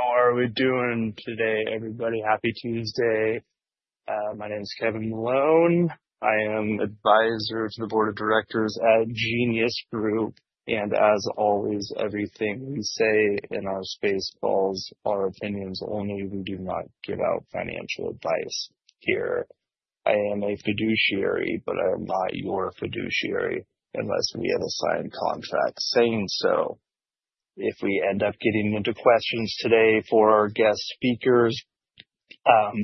How are we doing today, everybody? Happy Tuesday. My name is Kevin Malone. I am an Advisor to the Board of Directors at Genius Group. As always, everything we say in our space follows our opinions only. We do not give out financial advice here. I am a fiduciary, but I am not your fiduciary unless we have a signed contract saying so. If we end up getting into questions today for our guest speakers,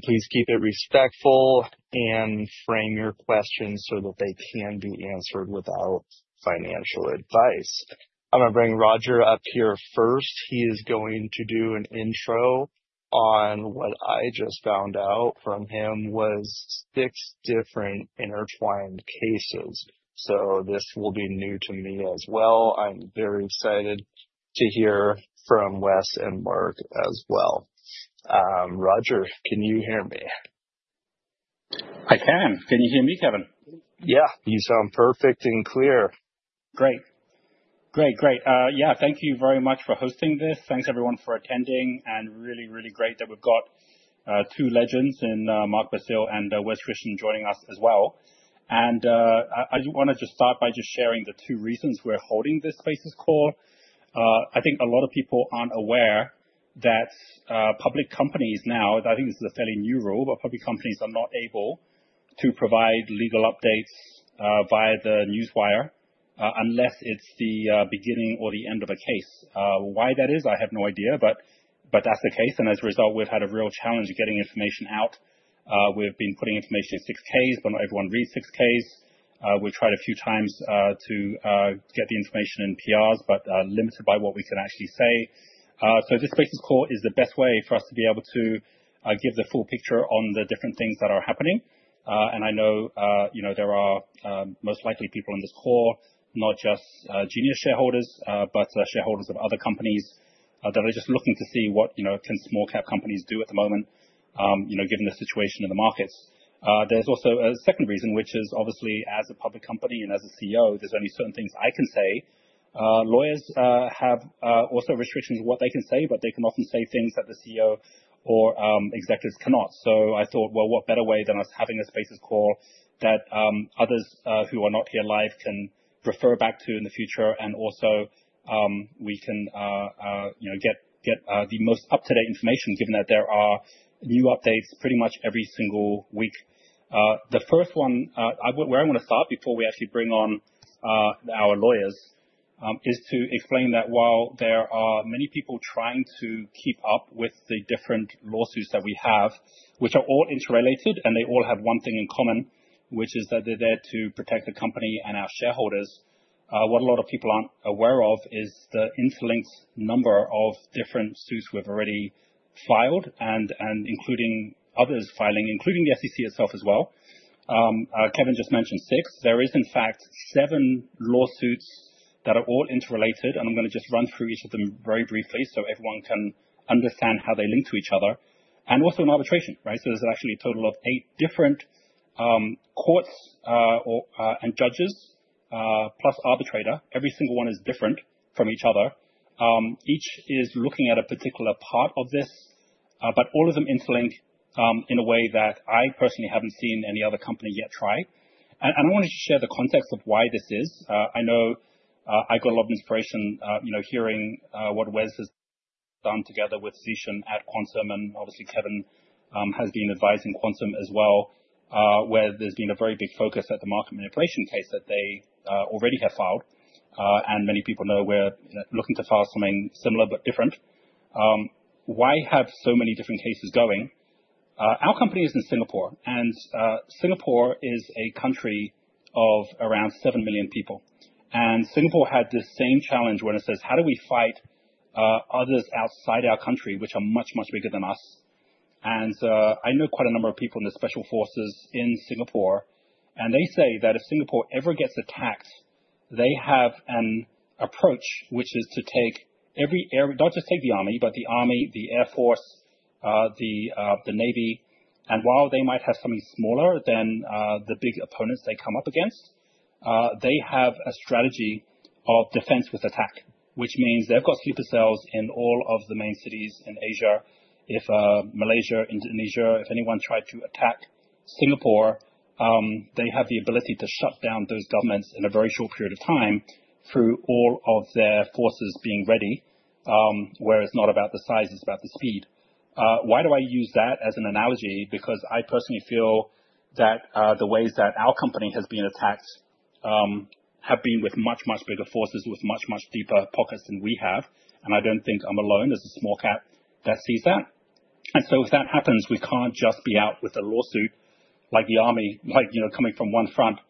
please keep it respectful and frame your questions so that they can be answered without financial advice. I'm going to bring Roger up here first. He is going to do an intro on what I just found out from him was six different intertwined cases. This will be new to me as well. I'm very excited to hear from Wes and Mark as well. Roger, can you hear me? I can. Can you hear me, Kevin? Yeah, you sound perfect and clear. Great. Great, great. Thank you very much for hosting this. Thanks, everyone, for attending. Really, really great that we've got two legends in, Mark Basile and Wes Christian joining us as well. I want to just start by sharing the two reasons we're holding this spaces call. I think a lot of people aren't aware that public companies now, I think this is a fairly new rule, but public companies are not able to provide legal updates via the newswire unless it's the beginning or the end of a case. Why that is, I have no idea, but that's the case. As a result, we've had a real challenge getting information out. We've been putting information in 6-Ks, but not everyone reads 6-Ks. We tried a few times to get the information in PRs, but limited by what we can actually say. This spaces call is the best way for us to be able to give the full picture on the different things that are happening. I know there are most likely people in this call, not just Genius Group shareholders, but shareholders of other companies that are just looking to see what can small-cap companies do at the moment, given the situation in the markets. There's also a second reason, which is obviously as a public company and as a CEO, there's only certain things I can say. Lawyers have also restrictions on what they can say, but they can often say things that the CEO or executives cannot. I thought, what better way than us having a spaces call that others who are not here live can refer back to in the future. Also, we can get the most up-to-date information, given that there are new updates pretty much every single week. The first one where I want to start before we actually bring on our lawyers is to explain that while there are many people trying to keep up with the different lawsuits that we have, which are all interrelated, and they all have one thing in common, which is that they're there to protect the company and our shareholders. What a lot of people aren't aware of is the interlinked number of different suits we've already filed, and including others filing, including the SEC itself as well. Kevin just mentioned six. There is, in fact, seven lawsuits that are all interrelated. I'm going to just run through each of them very briefly so everyone can understand how they link to each other. Also, an arbitration, right? There's actually a total of eight different courts and judges, plus arbitrator. Every single one is different from each other. Each is looking at a particular part of this, but all of them are interlinked in a way that I personally haven't seen any other company yet try. I wanted to share the context of why this is. I know I got a lot of inspiration hearing what Wes has done together with Zeeshan at Quantum, and obviously Kevin has been advising Quantum as well, where there's been a very big focus at the market manipulation case that they already have filed. Many people know we're looking to file something similar, but different. Why have so many different cases going? Our company is in Singapore, and Singapore is a country of around 7 million people. Singapore had the same challenge where it says, how do we fight others outside our country, which are much, much bigger than us? I know quite a number of people in the special forces in Singapore, and they say that if Singapore ever gets attacked, they have an approach, which is to take every, not just take the army, but the army, the air force, the navy. While they might have something smaller than the big opponents they come up against, they have a strategy of defense with attack, which means they've got supercells in all of the main cities in Asia. If Malaysia, Indonesia, if anyone tried to attack Singapore, they have the ability to shut down those governments in a very short period of time through all of their forces being ready, where it's not about the size, it's about the speed. Why do I use that as an analogy? I personally feel that the ways that our company has been attacked have been with much, much bigger forces, with much, much deeper pockets than we have. I don't think I'm alone. There's a small cat that sees that. If that happens, we can't just be out with a lawsuit like the army, like coming from one front,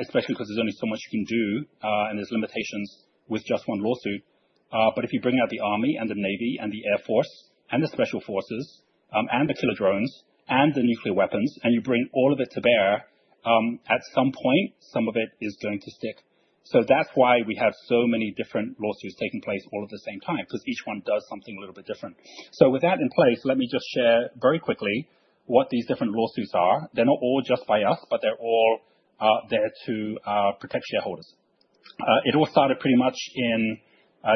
especially because there's only so much you can do, and there's limitations with just one lawsuit. If you bring out the army and the navy and the air force and the special forces and the killer drones and the nuclear weapons, and you bring all of it to bear, at some point, some of it is going to stick. That's why we have so many different lawsuits taking place all at the same time, because each one does something a little bit different. With that in place, let me just share very quickly what these different lawsuits are. They're not all just by us, but they're all there to protect shareholders. It all started pretty much in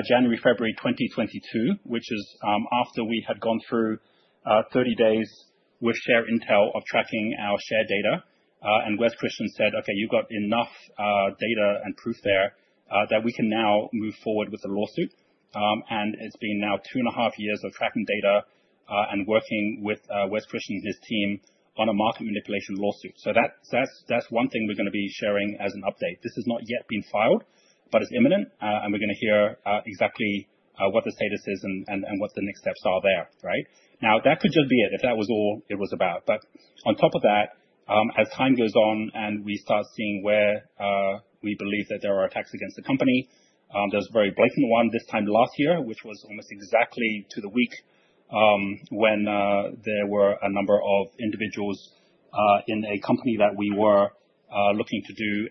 January-February 2022, which is after we had gone through 30 days with Share Intel of tracking our share data. Wes Christian said, "OK, you've got enough data and proof there that we can now move forward with the lawsuit." It's been now two and a half years of tracking data and working with Wes Christian, his team, on a market manipulation lawsuit. That's one thing we're going to be sharing as an update. This has not yet been filed, but it's imminent. We're going to hear exactly what the status is and what the next steps are there. Right now, that could just be it if that was all it was about. On top of that, as time goes on and we start seeing where we believe that there are attacks against the company, there's a very blatant one this time last year, which was almost exactly to the week when there were a number of individuals in a company that we were looking to do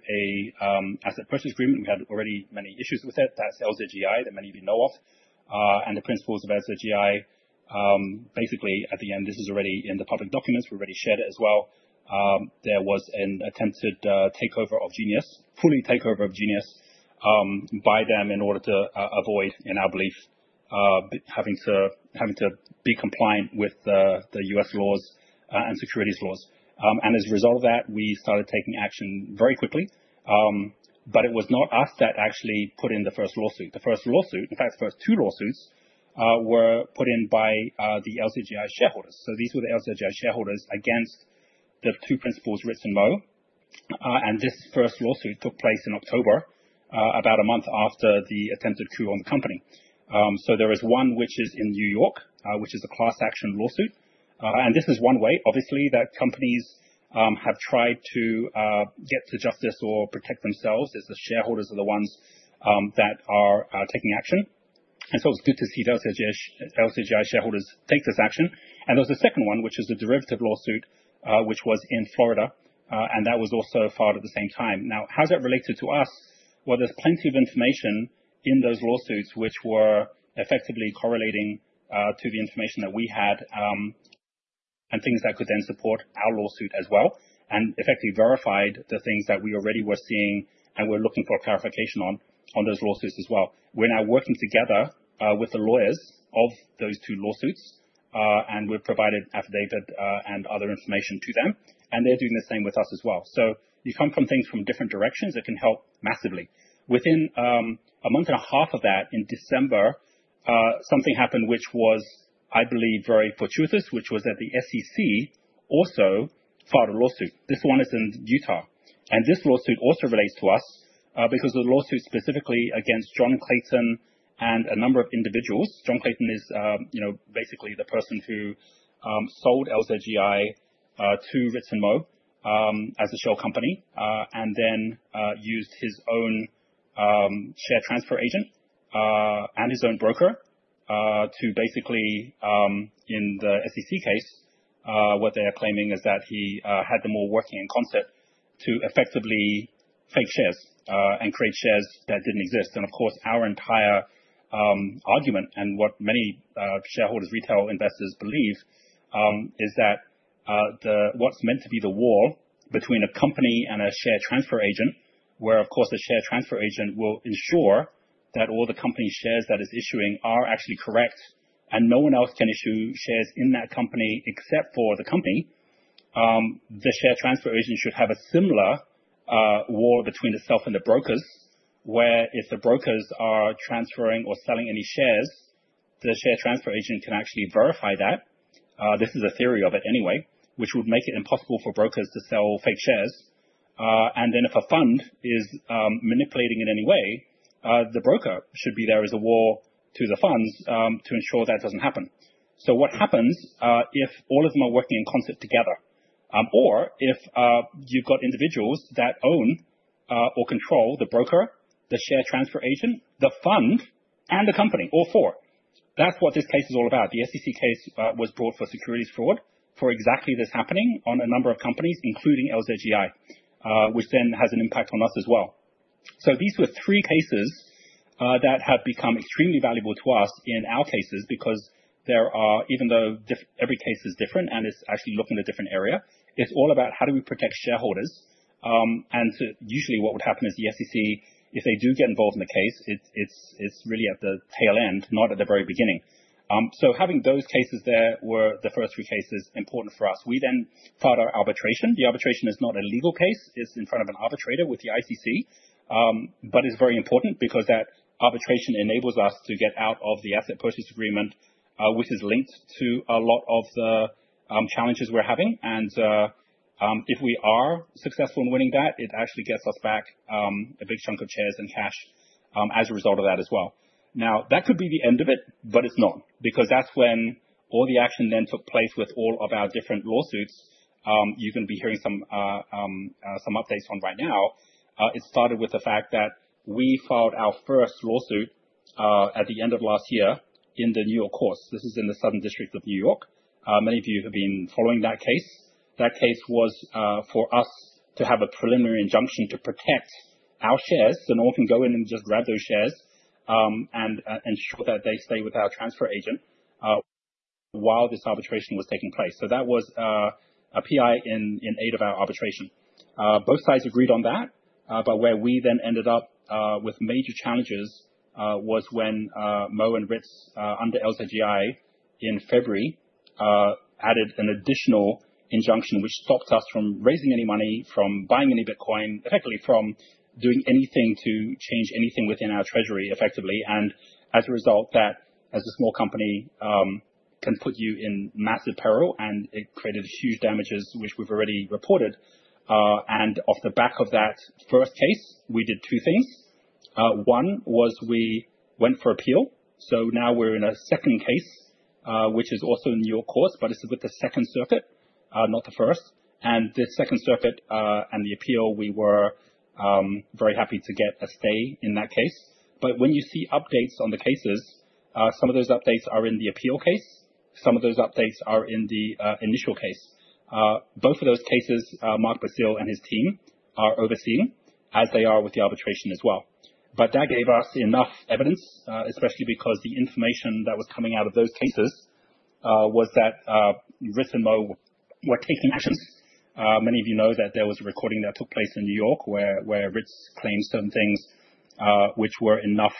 an asset purchase agreement. We had already many issues with it. That's LZGI that many of you know of. The principals of LZGI, basically, at the end, this is already in the public documents. We already shared it as well. There was an attempted takeover of Genius, fully takeover of Genius by them in order to avoid, in our beliefs, having to be compliant with the U.S. laws and securities laws. As a result of that, we started taking action very quickly. It was not us that actually put in the first lawsuit. The first lawsuit, in fact, the first two lawsuits were put in by the LZGI shareholders. These were the LZGI shareholders against the two principals Ritz and Merrill. This first lawsuit took place in October, about a month after the attempted coup on the company. There is one which is in New York, which is a class action lawsuit. This is one way, obviously, that companies have tried to get to justice or protect themselves as the shareholders are the ones that are taking action. It's good to see those LZGI shareholders take this action. There's a second one, which is a derivative lawsuit, which was in Florida. That was also filed at the same time. How that related to us, well, there's plenty of information in those lawsuits, which were effectively correlating to the information that we had and things that could then support our lawsuit as well and effectively verified the things that we already were seeing and were looking for clarification on on those lawsuits as well. We're now working together with the lawyers of those two lawsuits. We've provided affidavits and other information to them. They're doing the same with us as well. You come from things from different directions. It can help massively. Within a month and a half of that, in December, something happened, which was, I believe, very fortuitous, which was that the SEC also filed a lawsuit. This one is in Utah. This lawsuit also relates to us because of the lawsuit specifically against John Clayton and a number of individuals. John Clayton is basically the person who sold LZGI to Ritz and Merrill, as a shell company, and then used his own share transfer agent and his own broker to basically, in the SEC case, what they are claiming is that he had them all working in concert to effectively take shares and create shares that didn't exist. Our entire argument and what many shareholders, retail investors believe is that what's meant to be the wall between a company and a share transfer agent, where the share transfer agent will ensure that all the company shares that it's issuing are actually correct and no one else can issue shares in that company except for the company. The share transfer agent should have a similar wall between itself and the brokers, where if the brokers are transferring or selling any shares, the share transfer agent can actually verify that. This is a theory of it anyway, which would make it impossible for brokers to sell fake shares. If a fund is manipulating in any way, the broker should be there as a wall to the funds to ensure that doesn't happen. What happens if all of them are working in concert together? Or if you've got individuals that own or control the broker, the share transfer agent, the fund, and the company, all four? That's what this case is all about. The SEC case was brought for securities fraud for exactly this happening on a number of companies, including LZGI, which then has an impact on us as well. These were three cases that have become extremely valuable to us in our cases because there are, even though every case is different and is actually looking at a different area, it's all about how do we protect shareholders. Usually what would happen is the SEC, if they do get involved in the case, it's really at the tail end, not at the very beginning. Having those cases there were the first three cases important for us. We then filed our arbitration. The arbitration is not a legal case. It's in front of an arbitrator with the ICC. It is very important because that arbitration enables us to get out of the asset purchase agreement, which is linked to a lot of the challenges we're having. If we are successful in winning that, it actually gets us back a big chunk of shares and cash as a result of that as well. That could be the end of it, but it's not because that's when all the action then took place with all of our different lawsuits. You're going to be hearing some updates on right now. It started with the fact that we filed our first lawsuit at the end of last year in the New York courts. This is in the Southern District of New York. Many of you have been following that case. That case was for us to have a preliminary injunction to protect our shares so no one can go in and just grab those shares and ensure that they stay with our transfer agent while this arbitration was taking place. That was a PI in aid of our arbitration. Both sides agreed on that. Where we then ended up with major challenges was when Merrill and Ritz, under LZGI, in February, added an additional injunction, which stopped us from raising any money, from buying any Bitcoin, effectively from doing anything to change anything within our treasury, effectively. As a result, that, as a small company, can put you in massive peril. It created huge damages, which we've already reported. Off the back of that first case, we did two things. One was we went for appeal. Now we're in a second case, which is also in New York courts, but it's with the Second Circuit, not the first. In the Second Circuit and the appeal, we were very happy to get a stay in that case. When you see updates on the cases, some of those updates are in the appeal case. Some of those updates are in the initial case. Both of those cases, Mark Basile and his team are overseeing, as they are with the arbitration as well. That gave us enough evidence, especially because the information that was coming out of those cases was that Ritz and Merrill were taking action. Many of you know that there was a recording that took place in New York where Ritz claimed certain things, which were enough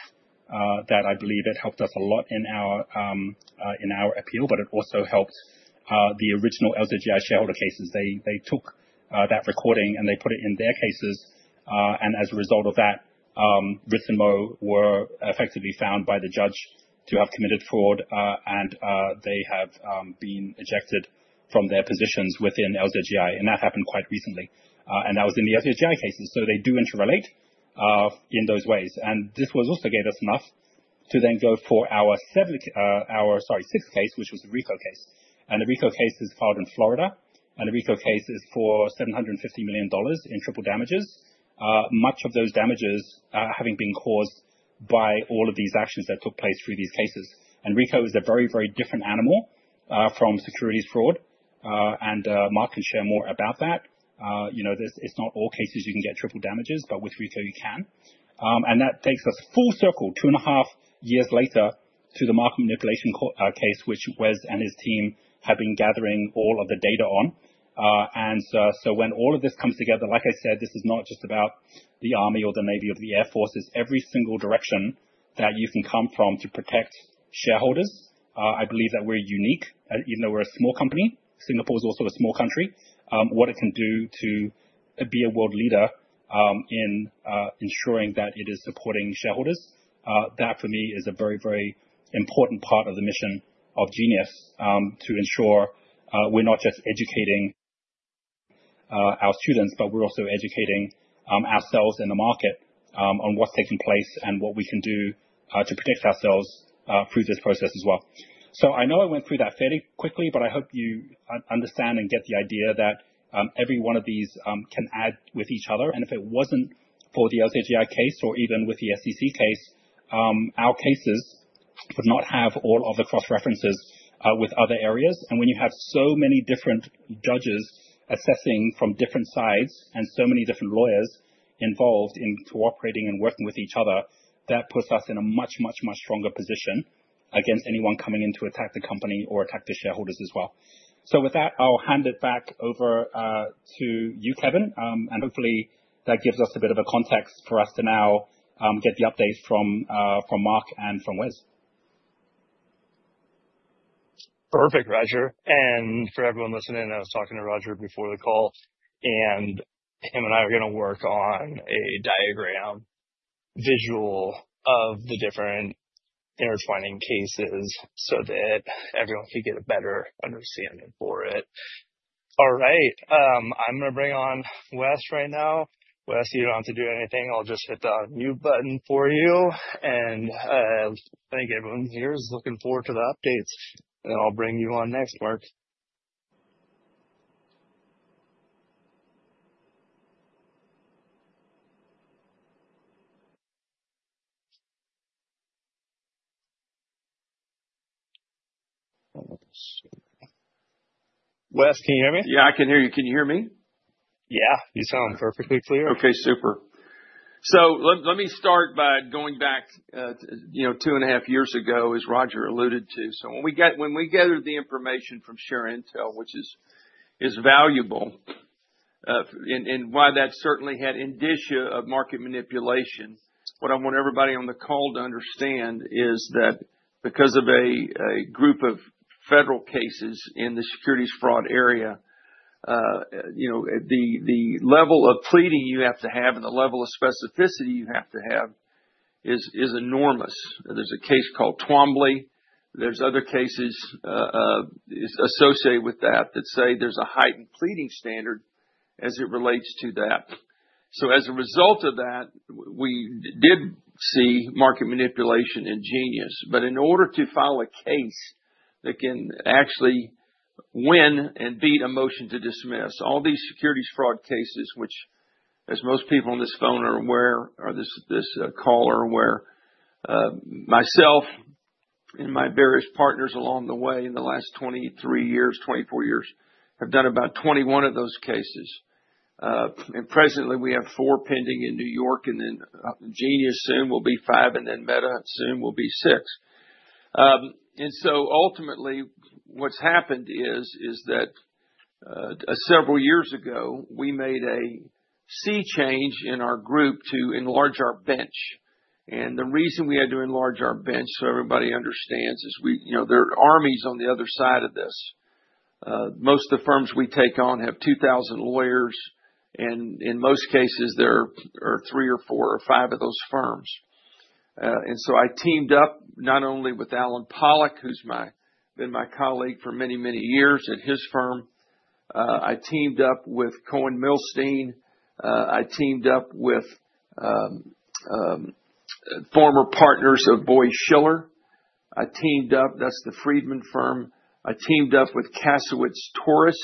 that I believe it helped us a lot in our appeal. It also helped the original LZGI shareholder cases. They took that recording and they put it in their cases. As a result of that, Ritz and Merrill were effectively found by the judge to have committed fraud. They have been ejected from their positions within LZGI. That happened quite recently. That was in the LZGI cases. They do interrelate in those ways. This also gave us enough to then go for our sixth case, which was the RICO case. The RICO case is filed in Florida. The RICO case is for $750 million in triple damages, much of those damages having been caused by all of these actions that took place through these cases. RICO is a very, very different animal from securities fraud. Mark can share more about that. It's not all cases you can get triple damages, but with RICO, you can. That takes us full circle, two and a half years later, to the market manipulation case, which Wes and his team have been gathering all of the data on. When all of this comes together, like I said, this is not just about the army or the navy or the air force. It's every single direction that you can come from to protect shareholders. I believe that we're unique. Even though we're a small company, Singapore is also a small country. What it can do to be a world leader in ensuring that it is supporting shareholders, that for me is a very, very important part of the mission of Genius to ensure we're not just educating our students, but we're also educating ourselves and the market on what's taking place and what we can do to protect ourselves through this process as well. I know I went through that fairly quickly, but I hope you understand and get the idea that every one of these can add with each other. If it wasn't for the LZGI case or even with the SEC case, our cases would not have all of the cross-references with other areas. When you have so many different judges assessing from different sides and so many different lawyers involved in cooperating and working with each other, that puts us in a much, much, much stronger position against anyone coming in to attack the company or attack the shareholders as well. With that, I'll hand it back over to you, Kevin. Hopefully, that gives us a bit of a context for us to now get the updates from Mark and from Wes. Perfect, Roger. For everyone listening, I was talking to Roger before the call. He and I are going to work on a diagram visual of the different intertwining cases so that everyone can get a better understanding of it. All right, I'm going to bring on Wes right now. Wes, you don't have to do anything. I'll just hit the new button for you. I think everyone here is looking forward to the updates. I'll bring you on next, Mark. Wes, can you hear me? Yeah, I can hear you. Can you hear me? Yeah, you sound perfectly clear. OK, super. Let me start by going back, you know, two and a half years ago, as Roger alluded to. When we gathered the information from Share Intel, which is valuable, and why that certainly had indicia of market manipulation, what I want everybody on the call to understand is that because of a group of federal cases in the securities fraud area, the level of pleading you have to have and the level of specificity you have to have is enormous. There's a case called Twombly. There are other cases associated with that that say there's a heightened pleading standard as it relates to that. As a result of that, we did see market manipulation in Genius Group. In order to file a case that can actually win and beat a motion to dismiss, all these securities fraud cases, which, as most people on this call are aware, myself and my various partners along the way in the last 23 years, 24 years, have done about 21 of those cases. Presently, we have four pending in New York. Genius Group soon will be five. Meta soon will be six. Ultimately, what's happened is that several years ago, we made a sea change in our group to enlarge our bench. The reason we had to enlarge our bench, so everybody understands, is we, you know, there are armies on the other side of this. Most of the firms we take on have 2,000 lawyers. In most cases, there are three or four or five of those firms. I teamed up not only with Alan Pollock, who's been my colleague for many, many years at his firm. I teamed up with Cohen Milstein. I teamed up with former partners of Boyd Schiller. I teamed up, that's the Friedman firm. I teamed up with Casowitz Taurus,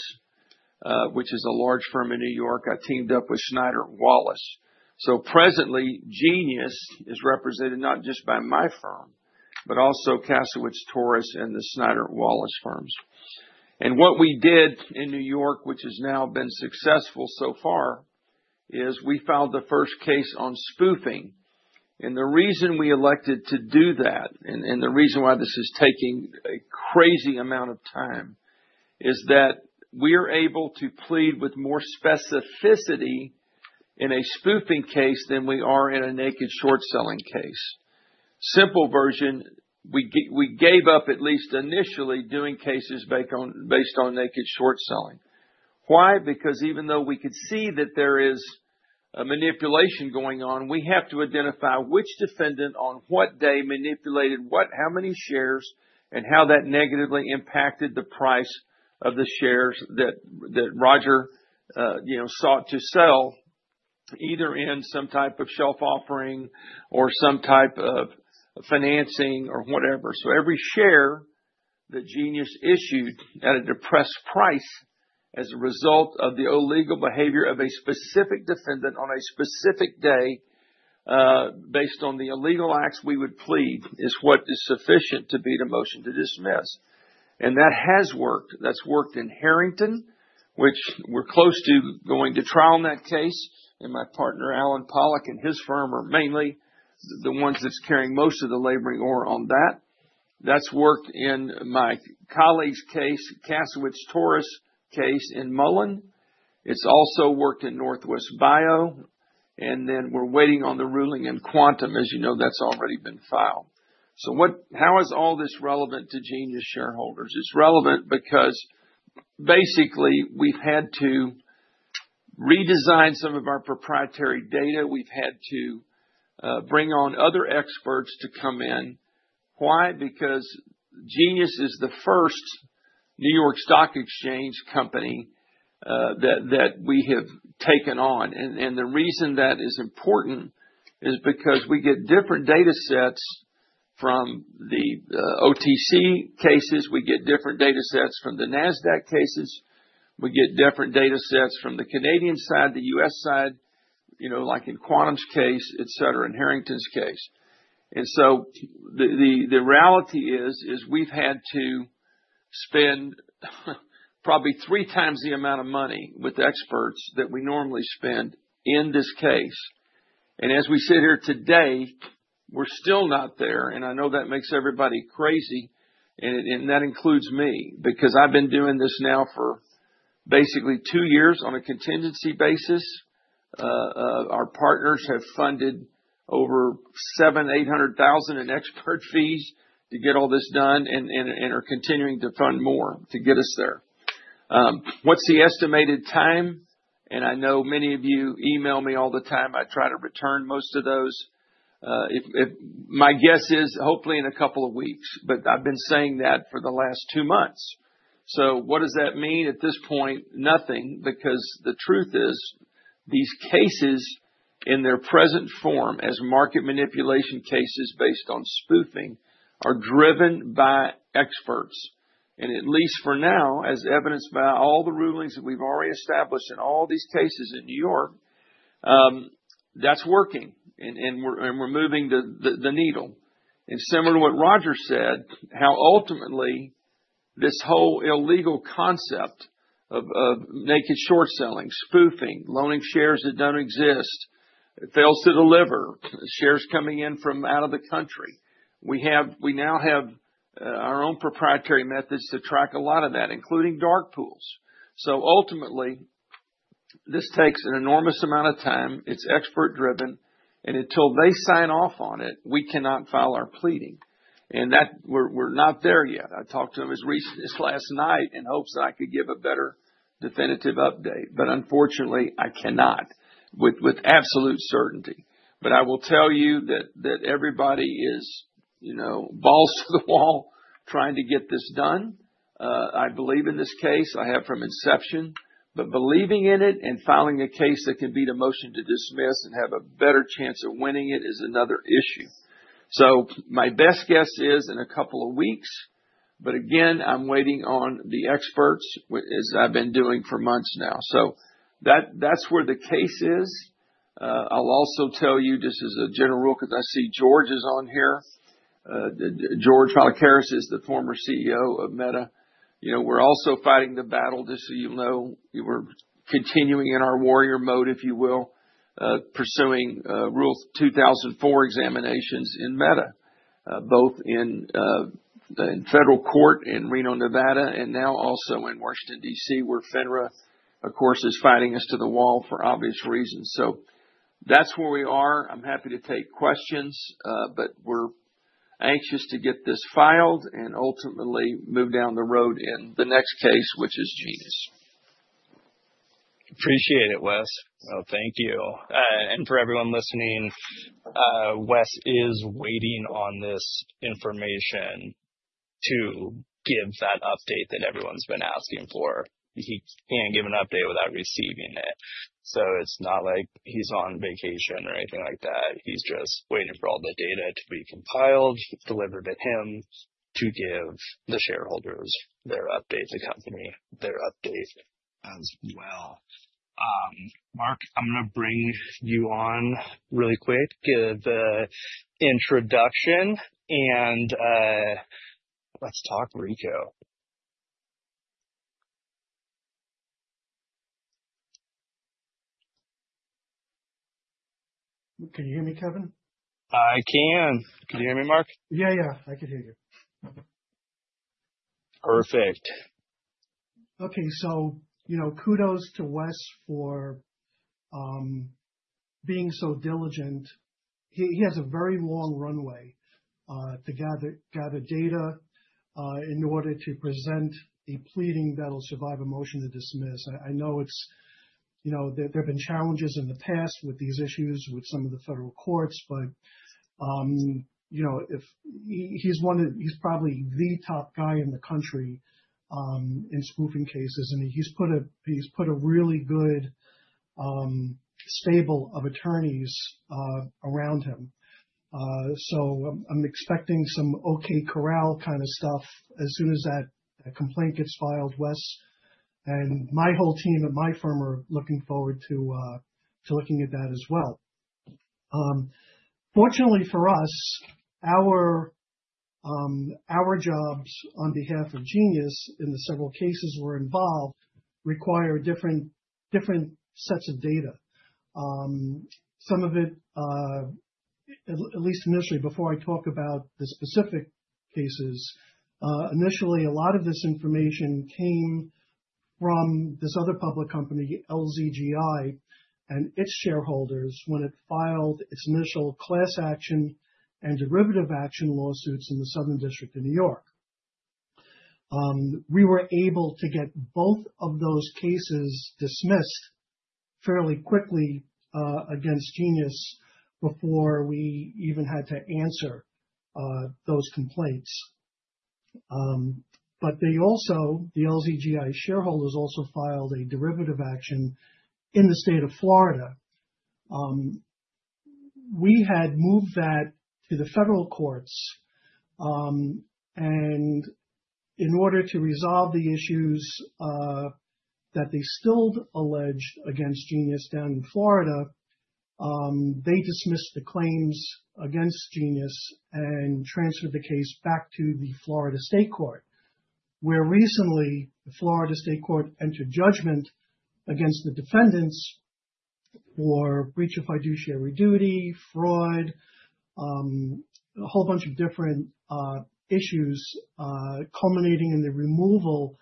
which is a large firm in New York. I teamed up with Schneider Wallace. Presently, Genius is represented not just by my firm, but also Kasowitz Torres and the Schneider Wallace firms. What we did in New York, which has now been successful so far, is we filed the first case on spoofing. The reason we elected to do that, and the reason why this is taking a crazy amount of time, is that we are able to plead with more specificity in a spoofing case than we are in a naked short selling case. Simple version, we gave up at least initially doing cases based on naked short selling. Why? Because even though we could see that there is a manipulation going on, we have to identify which defendant on what day manipulated what, how many shares, and how that negatively impacted the price of the shares that Roger, you know, sought to sell, either in some type of shelf offering or some type of financing or whatever. Every share that Genius issued at a depressed price as a result of the illegal behavior of a specific defendant on a specific day, based on the illegal acts we would plead, is what is sufficient to beat a motion to dismiss. That has worked. That's worked in Harrington, which we're close to going to trial in that case. My partner, Alan Pollock and his firm are mainly the ones that's carrying most of the laboring ore on that. That's worked in my colleague's case, Kasowitz Torres case in Mullan. It's also worked in Northwest Bio. We're waiting on the ruling in Quantum. As you know, that's already been filed. How is all this relevant to Genius shareholders? It's relevant because basically, we've had to redesign some of our proprietary data. We've had to bring on other experts to come in. Why? Because Genius Group is the first New York Stock Exchange company that we have taken on. The reason that is important is because we get different data sets from the OTC cases. We get different data sets from the NASDAQ cases. We get different data sets from the Canadian side, the U.S. side, you know, like in Quantum's case, in Harrington's case. The reality is we've had to spend probably 3x the amount of money with experts that we normally spend in this case. As we sit here today, we're still not there. I know that makes everybody crazy. That includes me because I've been doing this now for basically two years on a contingency basis. Our partners have funded over $700,000, $800,000 in expert fees to get all this done and are continuing to fund more to get us there. What's the estimated time? I know many of you email me all the time. I try to return most of those. My guess is hopefully in a couple of weeks. I've been saying that for the last two months. What does that mean at this point? Nothing, because the truth is these cases in their present form as market manipulation cases based on spoofing are driven by experts. At least for now, as evidenced by all the rulings that we've already established in all these cases in New York, that's working. We're moving the needle. Similar to what Roger said, how ultimately this whole illegal concept of naked short selling, spoofing, loaning shares that don't exist, fails to deliver, shares coming in from out of the country. We now have our own proprietary methods to track a lot of that, including dark pools. Ultimately, this takes an enormous amount of time. It's expert-driven. Until they sign off on it, we cannot file our pleading. We're not there yet. I talked to them as recently as last night in hopes I could give a better definitive update. Unfortunately, I cannot with absolute certainty. I will tell you that everybody is, you know, balls to the wall trying to get this done. I believe in this case. I have from inception. Believing in it and filing a case that can beat a motion to dismiss and have a better chance of winning it is another issue. My best guess is in a couple of weeks. Again, I'm waiting on the experts, as I've been doing for months now. That's where the case is. I'll also tell you, just as a general rule, because I see George is on here. George Pallikaris is the former CEO of Meta. We're also fighting the battle, just so you know. We're continuing in our warrior mode, if you will, pursuing Rule 2004 examinations in Meta, both in federal court in Reno, Nevada, and now also in Washington, D.C., where FINRA, of course, is fighting us to the wall for obvious reasons. That's where we are. I'm happy to take questions. We're anxious to get this filed and ultimately move down the road in the next case, which is Genius. Appreciate it, Wes. Thank you. For everyone listening, Wes is waiting on this information to give that update that everyone's been asking for. He can't give an update without receiving it. It's not like he's on vacation or anything like that. He's just waiting for all the data to be compiled and delivered to him to give the shareholders their updates, the company their updates as well. Mark, I'm going to bring you on really quick, give the introduction, and let's talk RICO. Can you hear me, Kevin? I can. Can you hear me, Mark? Yeah, yeah, I can hear you. Perfect. OK, so kudos to Wes for being so diligent. He has a very long runway to gather data in order to present a pleading that will survive a motion to dismiss. I know there have been challenges in the past with these issues with some of the federal courts. He's probably the top guy in the country in spoofing cases, and he's put a really good stable of attorneys around him. I'm expecting some OK corral kind of stuff as soon as that complaint gets filed, Wes. My whole team at my firm are looking forward to looking at that as well. Fortunately for us, our jobs on behalf of Genius in the several cases we're involved require different sets of data. Some of it, at least initially, before I talk about the specific cases, a lot of this information came from this other public company, LZGI, and its shareholders when it filed its initial class action and derivative action lawsuits in the Southern District of New York. We were able to get both of those cases dismissed fairly quickly against Genius before we even had to answer those complaints. The LZGI shareholders also filed a derivative action in the state of Florida. We had moved that to the federal courts. In order to resolve the issues that they still alleged against Genius down in Florida, they dismissed the claims against Genius and transferred the case back to the Florida State Court, where recently the Florida State Court entered judgment against the defendants for breach of fiduciary duty, fraud, a whole bunch of different issues culminating in the removal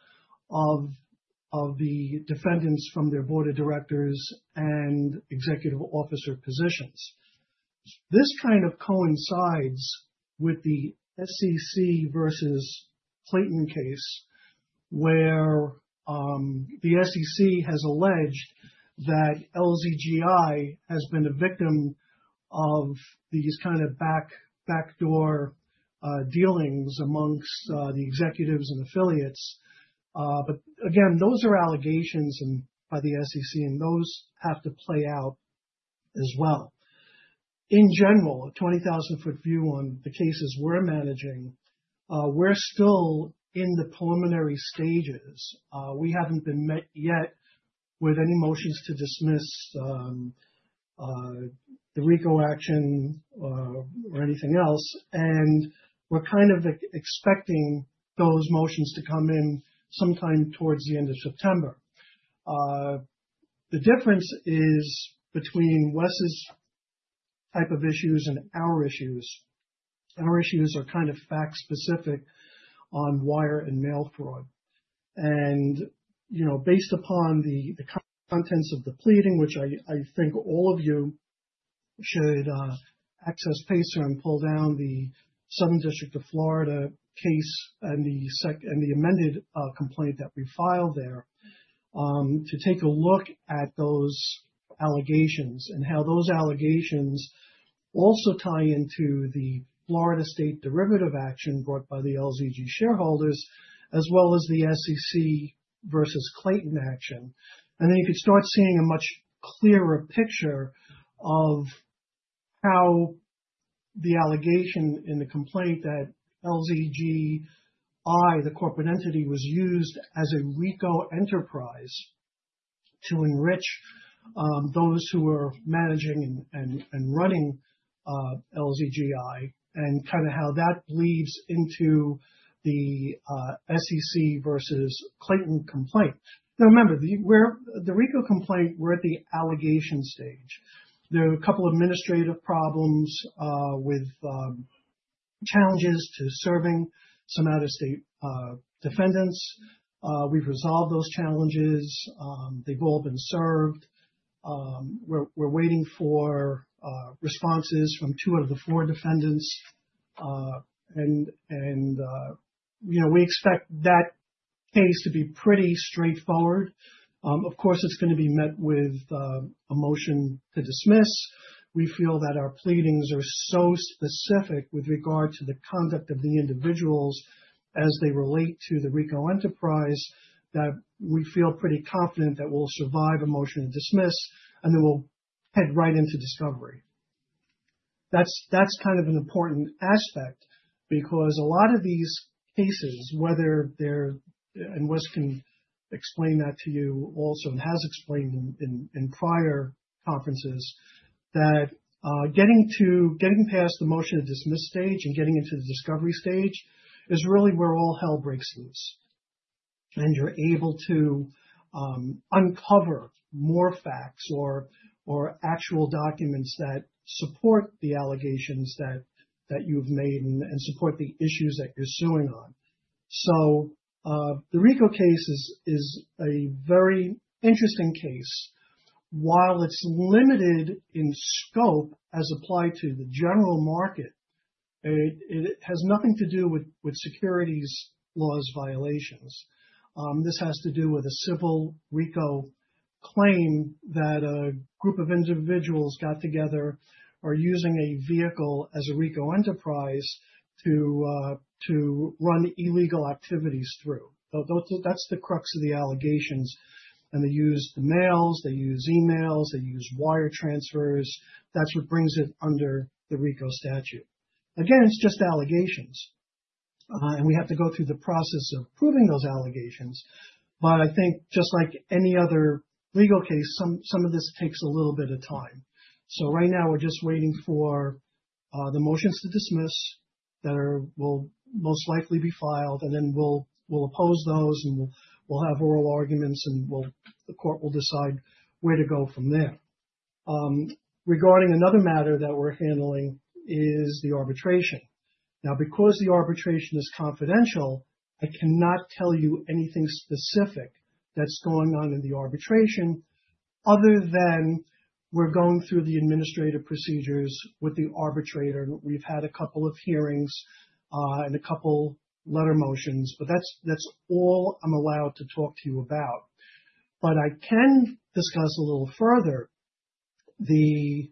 of the defendants from their board of directors and executive officer positions. This kind of coincides with the SEC versus Clayton case, where the SEC has alleged that LZGI has been a victim of these kind of backdoor dealings amongst the executives and affiliates. Those are allegations by the SEC, and those have to play out as well. In general, a 20,000-foot view on the cases we're managing, we're still in the preliminary stages. We haven't been met yet with any motions to dismiss the RICO action or anything else. We're kind of expecting those motions to come in sometime towards the end of September. The difference is between Wes's type of issues and our issues. Our issues are kind of fact-specific on wire and mail fraud. Based upon the contents of the pleading, which I think all of you should access FaceTime and pull down the Southern District of Florida case and the amended complaint that we filed there, take a look at those allegations and how those allegations also tie into the Florida State derivative action brought by the LZGI shareholders, as well as the SEC versus Clayton action. You can start seeing a much clearer picture of how the allegation in the complaint that LZGI, the corporate entity, was used as a RICO enterprise to enrich those who were managing and running LZGI and kind of how that bleeds into the SEC versus Clayton complaint. Remember, the RICO complaint is at the allegation stage. There are a couple of administrative problems with challenges to serving some out-of-state defendants. We've resolved those challenges. They've all been served. We're waiting for responses from two of the four defendants. We expect that case to be pretty straightforward. Of course, it's going to be met with a motion to dismiss. We feel that our pleadings are so specific with regard to the conduct of the individuals as they relate to the RICO enterprise that we feel pretty confident that we'll survive a motion to dismiss. We'll head right into discovery. That's an important aspect because a lot of these cases, whether they're, and Wes can explain that to you also and has explained in prior conferences, that getting past the motion to dismiss stage and getting into the discovery stage is really where all hell breaks loose. You're able to uncover more facts or actual documents that support the allegations that you've made and support the issues that you're suing on. The RICO case is a very interesting case. While it's limited in scope as applied to the general market, it has nothing to do with securities laws violations. This has to do with a civil RICO claim that a group of individuals got together, are using a vehicle as a RICO enterprise to run illegal activities through. That's the crux of the allegations. They use the mails. They use emails. They use wire transfers. That's what brings it under the RICO statute. Again, it's just allegations. We have to go through the process of proving those allegations. I think just like any other legal case, some of this takes a little bit of time. Right now, we're just waiting for the motions to dismiss that will most likely be filed. We'll oppose those, and we'll have oral arguments. The court will decide where to go from there. Regarding another matter that we're handling is the arbitration. Now, because the arbitration is confidential, I cannot tell you anything specific that's going on in the arbitration other than we're going through the administrative procedures with the arbitrator. We've had a couple of hearings and a couple letter motions. That's all I'm allowed to talk to you about. I can discuss a little further the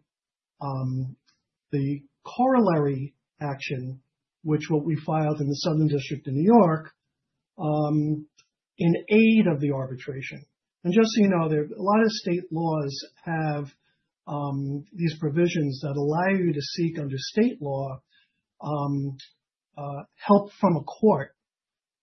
corollary action, which we filed in the Southern District of New York in aid of the arbitration. Just so you know, a lot of state laws have these provisions that allow you to seek under state law help from a court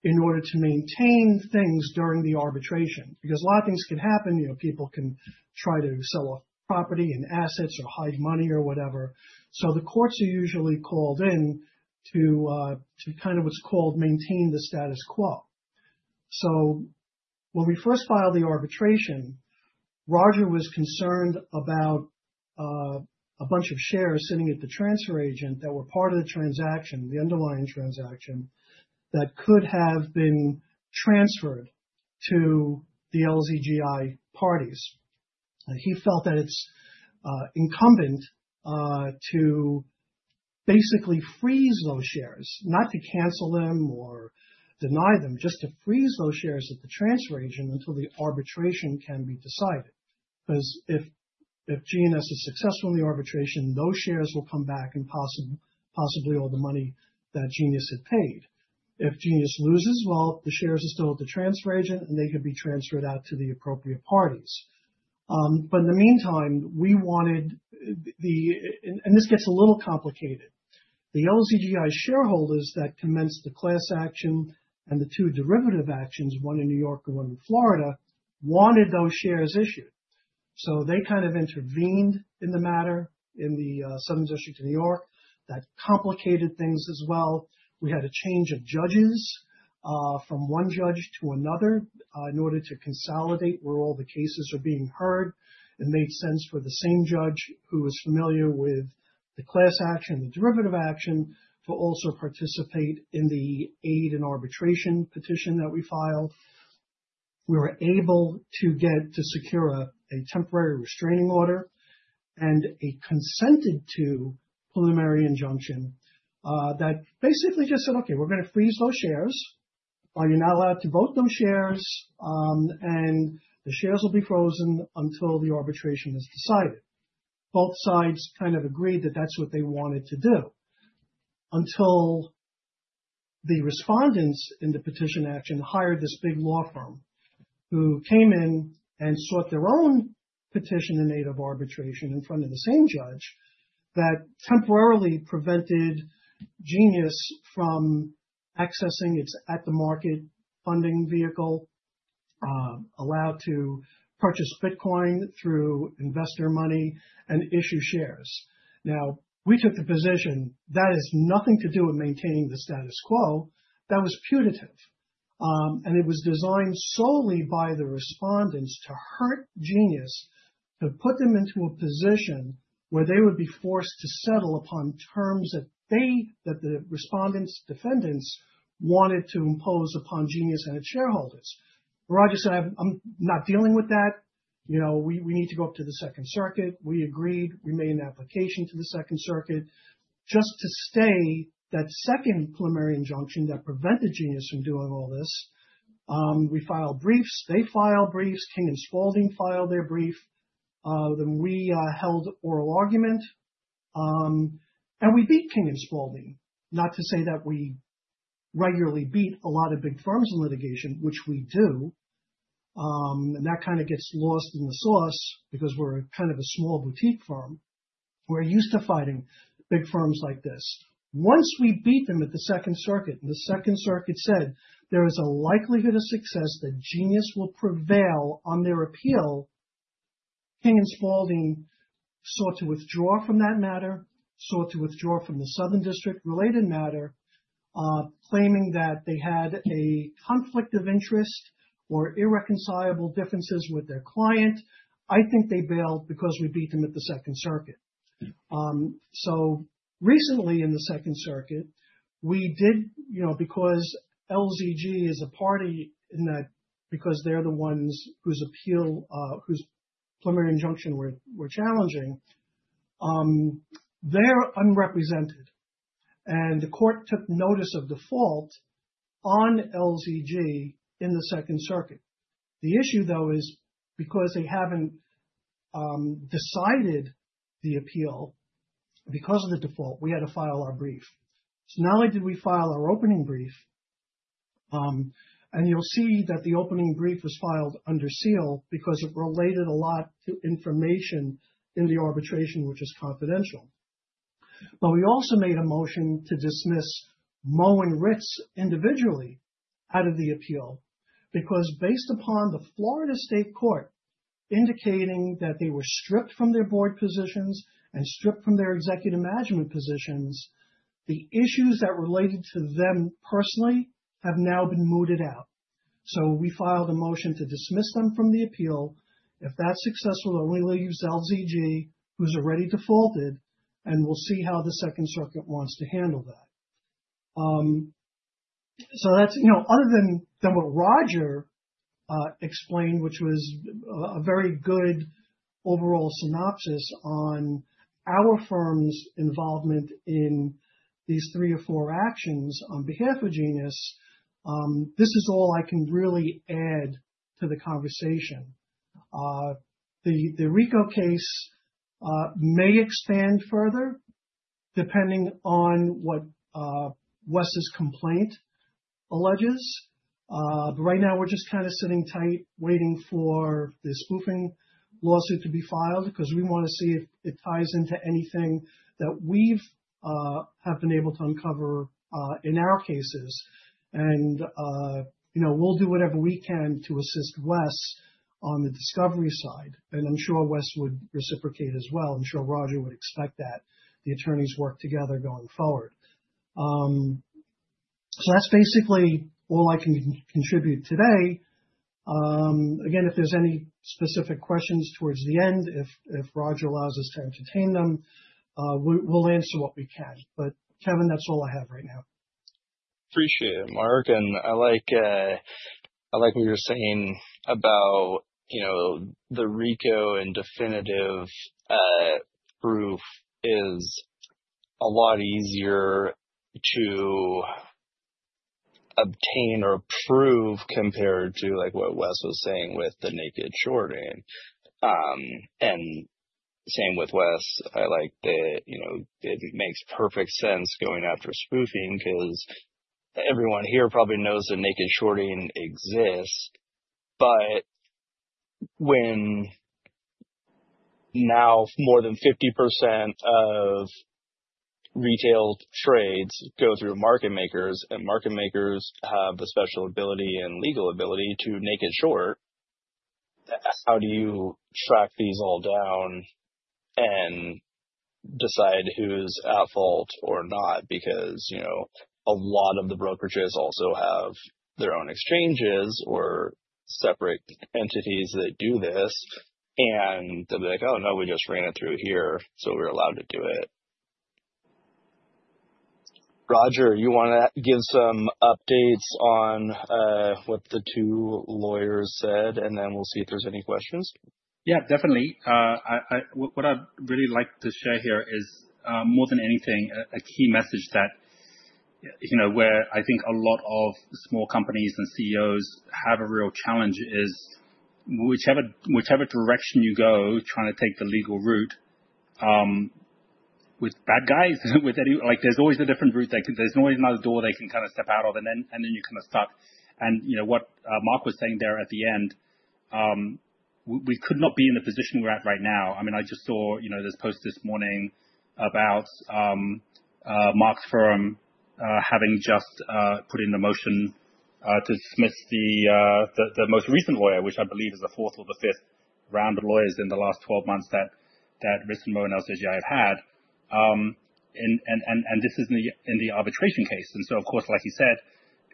in order to maintain things during the arbitration. A lot of things can happen. People can try to sell a property and assets or hide money or whatever. The courts are usually called in to what's called maintain the status quo. When we first filed the arbitration, Roger was concerned about a bunch of shares sitting at the transfer agent that were part of the transaction, the underlying transaction that could have been transferred to the LZGI parties. He felt that it's incumbent to basically freeze those shares, not to cancel them or deny them, just to freeze those shares at the transfer agent until the arbitration can be decided. If Genius is successful in the arbitration, those shares will come back and possibly all the money that Genius had paid. If Genius loses, the shares are still at the transfer agent, and they could be transferred out to the appropriate parties. In the meantime, we wanted the, and this gets a little complicated. The LZGI shareholders that commenced the class action and the two derivative actions, one in New York and one in Florida, wanted those shares issued. They kind of intervened in the matter in the Southern District of New York. That complicated things as well. We had a change of judges from one judge to another in order to consolidate where all the cases are being heard. It made sense for the same judge who was familiar with the class action and derivative action to also participate in the aid and arbitration petition that we filed. We were able to secure a temporary restraining order and a consented-to preliminary injunction that basically just said, OK, we're going to freeze those shares. You're not allowed to vote those shares, and the shares will be frozen until the arbitration is decided. Both sides kind of agreed that that's what they wanted to do. Until the respondents in the petition action hired this big law firm who came in and sought their own petition in aid of arbitration in front of the same judge that temporarily prevented Genius from accessing its at-the-market funding vehicle, allowed to purchase Bitcoin through investor money and issue shares. We took the position that has nothing to do with maintaining the status quo. That was punitive, and it was designed solely by the respondents to hurt Genius, to put them into a position where they would be forced to settle upon terms that the respondents, defendants wanted to impose upon Genius and its shareholders. Roger said, I'm not dealing with that. You know, we need to go up to the Second Circuit. We agreed. We made an application to the Second Circuit just to stay that second preliminary injunction that prevented Genius Group from doing all this. We filed briefs. They filed briefs. King and Spalding filed their brief. We held oral argument, and we beat King and Spalding. Not to say that we regularly beat a lot of big firms in litigation, which we do. That kind of gets lost in the source because we're kind of a small boutique firm. We're used to fighting big firms like this. Once we beat them at the Second Circuit, and the Second Circuit said there is a likelihood of success that Genius will prevail on their appeal, King and Spalding sought to withdraw from that matter, sought to withdraw from the Southern District related matter, claiming that they had a conflict of interest or irreconcilable differences with their client. I think they bailed because we beat them at the Second Circuit. Recently in the Second Circuit, we did, you know, because LZGI is a party in that, because they're the ones whose preliminary injunction we're challenging, they're unrepresented. The court took notice of default on LZGI in the Second Circuit. The issue, though, is because they haven't decided the appeal because of the default, we had to file our brief. Not only did we file our opening brief, and you'll see that the opening brief was filed under seal because it related a lot to information in the arbitration, which is confidential. We also made a motion to dismiss Merrill and Ritz individually out of the appeal because, based upon the Florida State Court indicating that they were stripped from their board positions and stripped from their executive management positions, the issues that related to them personally have now been mooted out. We filed a motion to dismiss them from the appeal. If that's successful, I'll only use LZGI, who's already defaulted. We'll see how the Second Circuit wants to handle that. Other than what Roger explained, which was a very good overall synopsis on our firm's involvement in these three or four actions on behalf of Genius, this is all I can really add to the conversation. The RICO case may expand further depending on what Wes's complaint alleges. Right now, we're just kind of sitting tight waiting for the spoofing lawsuit to be filed because we want to see if it ties into anything that we have been able to uncover in our cases. We'll do whatever we can to assist Wes on the discovery side. I'm sure Wes would reciprocate as well. I'm sure Roger would expect that the attorneys work together going forward. That's basically all I can contribute today. If there's any specific questions towards the end, if Roger allows us to entertain them, we'll answer what we can. Kevin, that's all I have right now. Appreciate it, Mark. I like what you're saying about the RICO and definitive proof is a lot easier to obtain or prove compared to like what Wes was saying with the naked shorting. Same with Wes, I like that it makes perfect sense going after spoofing because everyone here probably knows that naked shorting exists. Now more than 50% of retail trades go through market makers and market makers have a special ability and legal ability to naked short. How do you track these all down and decide who's at fault or not? A lot of the brokerages also have their own exchanges or separate entities that do this. They'll be like, oh, no, we just ran it through here, so we're allowed to do it. Roger, you want to give some updates on what the two lawyers said? Then we'll see if there's any questions. Yeah, definitely. What I'd really like to share here is more than anything, a key message that, you know, where I think a lot of small companies and CEOs have a real challenge is whichever direction you go, trying to take the legal route with bad guys, with any, like, there's always a different route. There's always another door they can kind of step out of. Then you're kind of stuck. You know what Mark was saying there at the end, we could not be in the position we're at right now. I just saw this post this morning about Mark's firm having just put in a motion to dismiss the most recent lawyer, which I believe is the fourth or the fifth round of lawyers in the last 12 months that Ritz and Merrill and LZGI have had. This is in the arbitration case. Of course, like you said,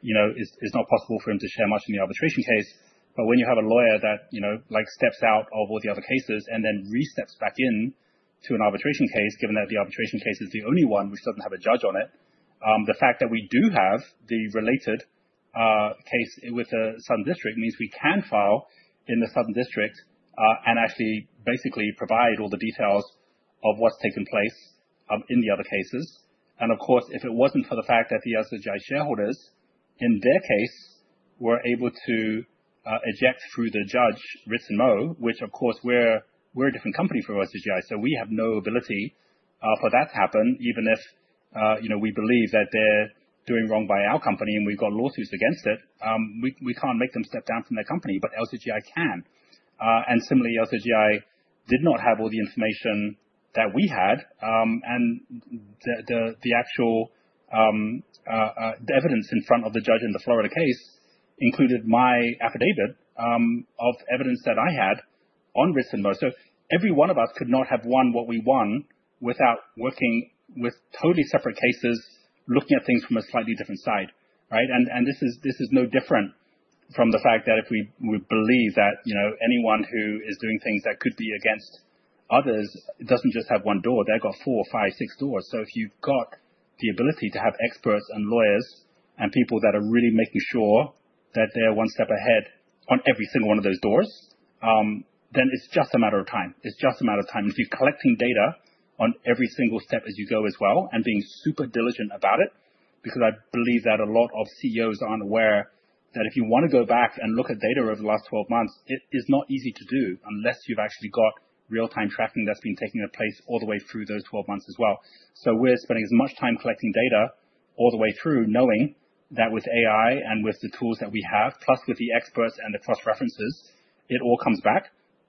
it's not possible for him to share much in the arbitration case. When you have a lawyer that, you know, like steps out of all the other cases and then resteps back into an arbitration case, given that the arbitration case is the only one which doesn't have a judge on it, the fact that we do have the related case with the Southern District means we can file in the Southern District and actually basically provide all the details of what's taken place in the other cases. If it wasn't for the fact that the LZGI shareholders in their case were able to eject through the judge Ritz and Merrill, which, of course, we're a different company from LZGI, so we have no ability for that to happen. Even if, you know, we believe that they're doing wrong by our company and we've got lawsuits against it, we can't make them step down from their company, but LZGI can. Similarly, LZGI did not have all the information that we had. The actual evidence in front of the judge in the Florida case included my affidavit of evidence that I had on Ritz and Merrill. Every one of us could not have won what we won without working with totally separate cases, looking at things from a slightly different side. This is no different from the fact that if we believe that anyone who is doing things that could be against others doesn't just have one door. They've got four, five, six doors. If you've got the ability to have experts and lawyers and people that are really making sure that they're one step ahead on every single one of those doors, then it's just a matter of time. It's just a matter of time. You're collecting data on every single step as you go as well and being super diligent about it because I believe that a lot of CEOs aren't aware that if you want to go back and look at data over the last 12 months, it is not easy to do unless you've actually got real-time tracking that's been taking place all the way through those 12 months as well. We're spending as much time collecting data all the way through knowing that with AI and with the tools that we have, plus with the experts and the cross-references, it all comes back.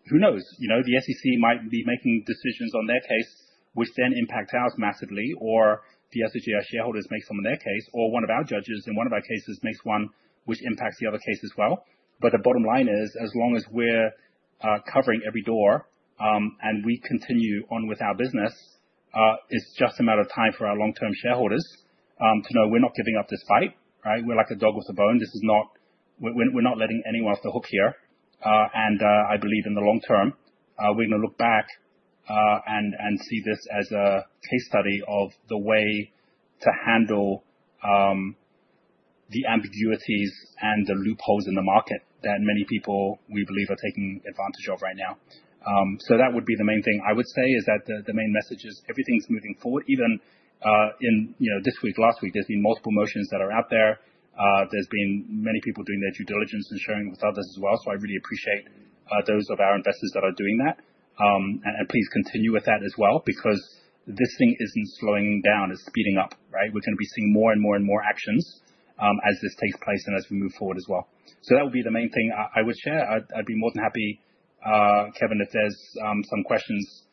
Who knows? The U.S. SEC might be making decisions on their case which then impact ours massively, or the LZGI shareholders make some on their case, or one of our judges in one of our cases makes one which impacts the other case as well. The bottom line is, as long as we're covering every door and we continue on with our business, it's just a matter of time for our long-term shareholders to know we're not giving up this fight. We're like a dog with a bone. We're not letting anyone off the hook here. I believe in the long term, we're going to look back and see this as a case study of the way to handle the ambiguities and the loopholes in the market that many people we believe are taking advantage of right now. That would be the main thing I would say is that the main message is everything's moving forward. Even in this week, last week, there's been multiple motions that are out there. There's been many people doing their due diligence and sharing with others as well. I really appreciate those of our investors that are doing that. Please continue with that as well because this thing isn't slowing down. It's speeding up. We're going to be seeing more and more and more actions as this takes place and as we move forward as well. That would be the main thing I would share. I'd be more than happy, Kevin, if there's some questions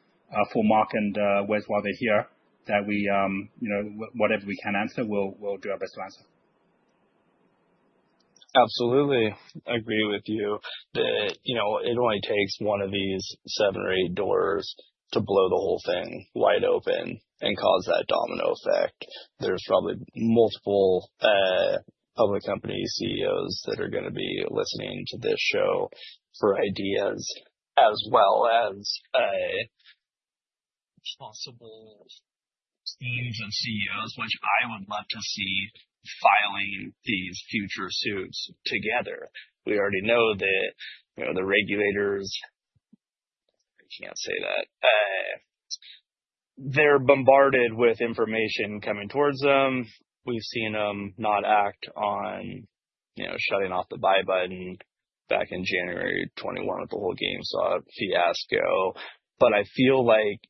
for Mark and Wes while they're here that we, you know, whatever we can answer, we'll do our best to answer. Absolutely. I agree with you. You know, it only takes one of these seven or eight doors to blow the whole thing wide open and cause that domino effect. There's probably multiple public company CEOs that are going to be listening to this show for ideas, as well as possible leaving CEOs, which I would love to see filing these future suits together. We already know that the regulators, I can't say that, they're bombarded with information coming towards them. We've seen them not act on, you know, shutting off the buy button back in January 2021 with the whole GameStop fiasco. I feel like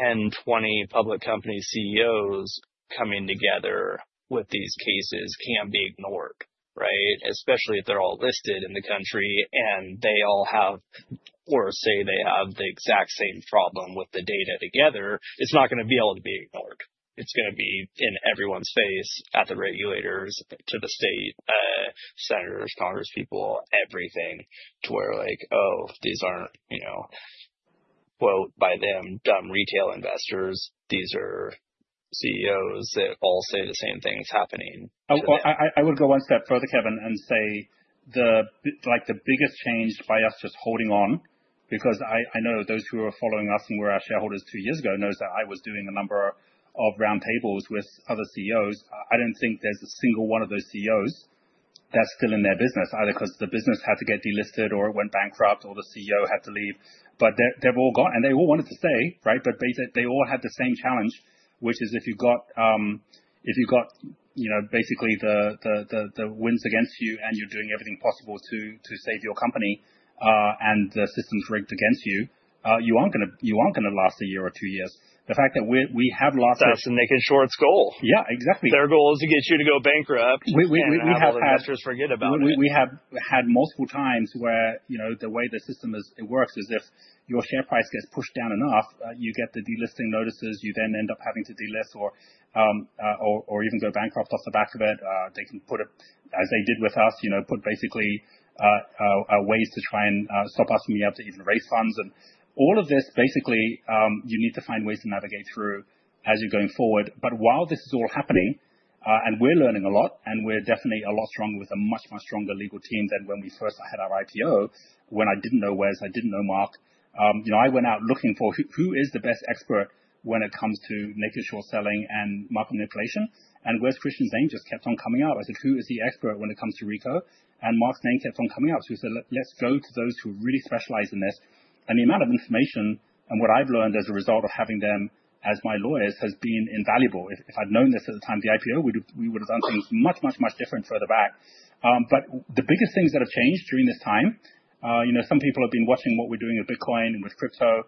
10, 20 public company CEOs coming together with these cases can't be ignored, right? Especially if they're all listed in the country and they all have, or say they have the exact same problem with the data together, it's not going to be able to be ignored. It's going to be in everyone's face at the regulators, to the state, senators, congresspeople, everything to where like, oh, these aren't, you know, quote, by them, dumb retail investors. These are CEOs that all say the same thing is happening. I would go one step further, Kevin, and say the biggest change by us is holding on because I know those who are following us and were our shareholders two years ago know that I was doing a number of roundtables with other CEOs. I don't think there's a single one of those CEOs that's still in their business, either because the business had to get delisted or it went bankrupt or the CEO had to leave. They've all gone. They all wanted to stay, right? Basically, they all had the same challenge, which is if you've got, you know, basically the winds against you and you're doing everything possible to save your company and the system's rigged against you, you aren't going to last a year or two years. The fact that we have lost. That's the naked short's goal. Yeah, exactly. Their goal is to get you to go bankrupt. We have. Investors forget about it. We have had multiple times where, you know, the way the system works is if your share price gets pushed down enough, you get the delisting notices. You then end up having to delist or even go bankrupt off the back of it. They can put, as they did with us, basically ways to try and stop us from being able to even raise funds. All of this, basically, you need to find ways to navigate through as you're going forward. While this is all happening, we're learning a lot, and we're definitely a lot stronger with a much, much stronger legal team than when we first had our IPO, when I didn't know Wes. I didn't know Mar. I went out looking for who is the best expert when it comes to naked short selling and market manipulation. Wes Christian's name just kept on coming out. I said, who is the expert when it comes to RICO claims? Mark's name kept on coming out. We said, let's go to those who really specialize in this. The amount of information and what I've learned as a result of having them as my lawyers has been invaluable. If I'd known this at the time of the IPO, we would have done things much, much, much different further back. The biggest things that have changed during this time, some people have been watching what we're doing with Bitcoin and with crypto.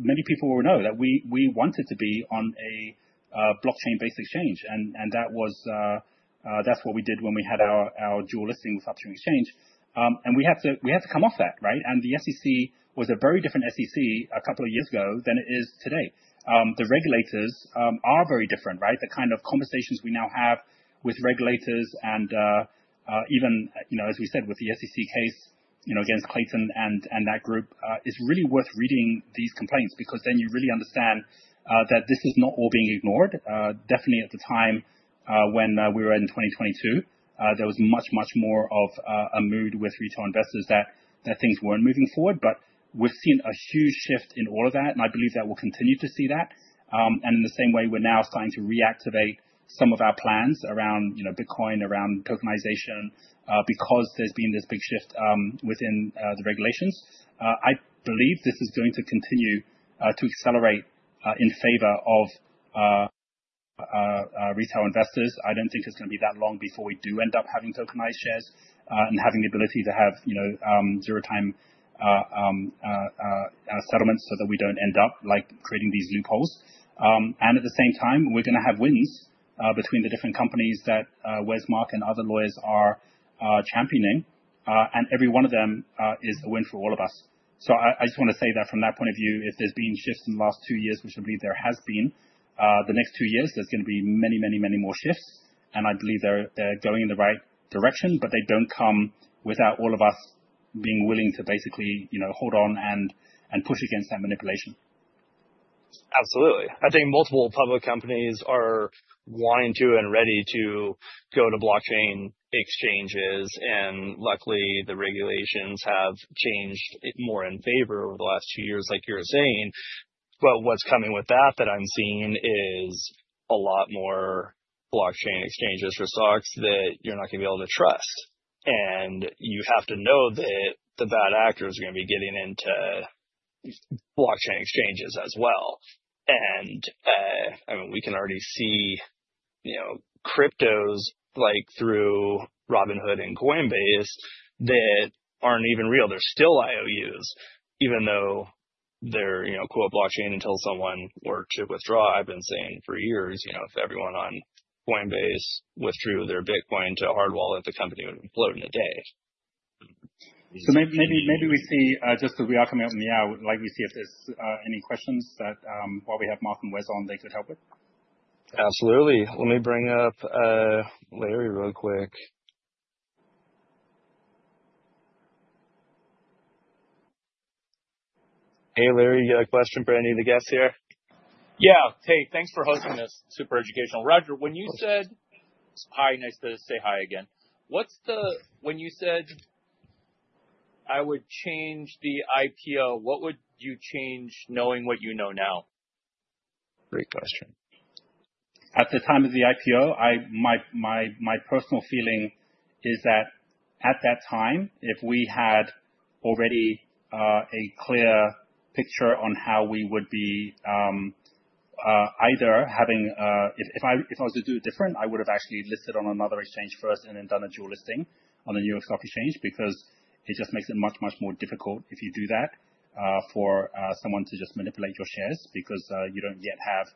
Many people will know that we wanted to be on a blockchain-based exchange. That's what we did when we had our dual listings up to an exchange. We had to come off that, right? The SEC was a very different SEC a couple of years ago than it is today. The regulators are very different, right? The kind of conversations we now have with regulators and even, as we said, with the SEC case against Clayton and that group is really worth reading these complaints because then you really understand that this is not all being ignored. Definitely at the time when we were in 2022, there was much, much more of a mood with retail investors that things weren't moving forward. We've seen a huge shift in all of that. I believe that we'll continue to see that. In the same way, we're now starting to reactivate some of our plans around Bitcoin, around tokenization because there's been this big shift within the regulations. I believe this is going to continue to accelerate in favor of retail investors. I don't think it's going to be that long before we do end up having tokenized shares and having the ability to have zero-time settlements so that we don't end up creating these loopholes. At the same time, we're going to have wins between the different companies that Wes, Mark, and other lawyers are championing. Every one of them is a win for all of us. I just want to say that from that point of view, if there's been shifts in the last two years, which I believe there has been, the next two years, there's going to be many, many, many more shifts. I believe they're going in the right direction. They don't come without all of us being willing to basically hold on and push against that manipulation. Absolutely. I think multiple public companies are wanting to and ready to go to blockchain exchanges. Luckily, the regulations have changed more in favor over the last two years, like you're saying. What's coming with that that I'm seeing is a lot more blockchain exchanges for stocks that you're not going to be able to trust. You have to know that the bad actors are going to be getting into blockchain exchanges as well. I mean, we can already see cryptos like through Robinhood and Coinbase that aren't even real. They're still IOUs, even though they're, you know, co-blockchain until someone were to withdraw. I've been saying for years, if everyone on Coinbase withdrew their Bitcoin to hard wallet, the company would implode in a day. As we are coming up on the hour, let's see if there's any questions that, while we have Mark and Wes on, they could help with. Absolutely. Let me bring up Larry real quick. Hey, Larry, you got a question for any of the guests here? Yeah. Hey, thanks for hosting this. Super educational. Roger, when you said, hi, nice to say hi again. When you said I would change the IPO, what would you change knowing what you know now? Great question. At the time of the IPO, my personal feeling is that at that time, if we had already a clear picture on how we would be either having, if I was to do it different, I would have actually listed on another exchange first and then done a dual listing on the New York Stock Exchange because it just makes it much, much more difficult if you do that for someone to just manipulate your shares because you don't yet have,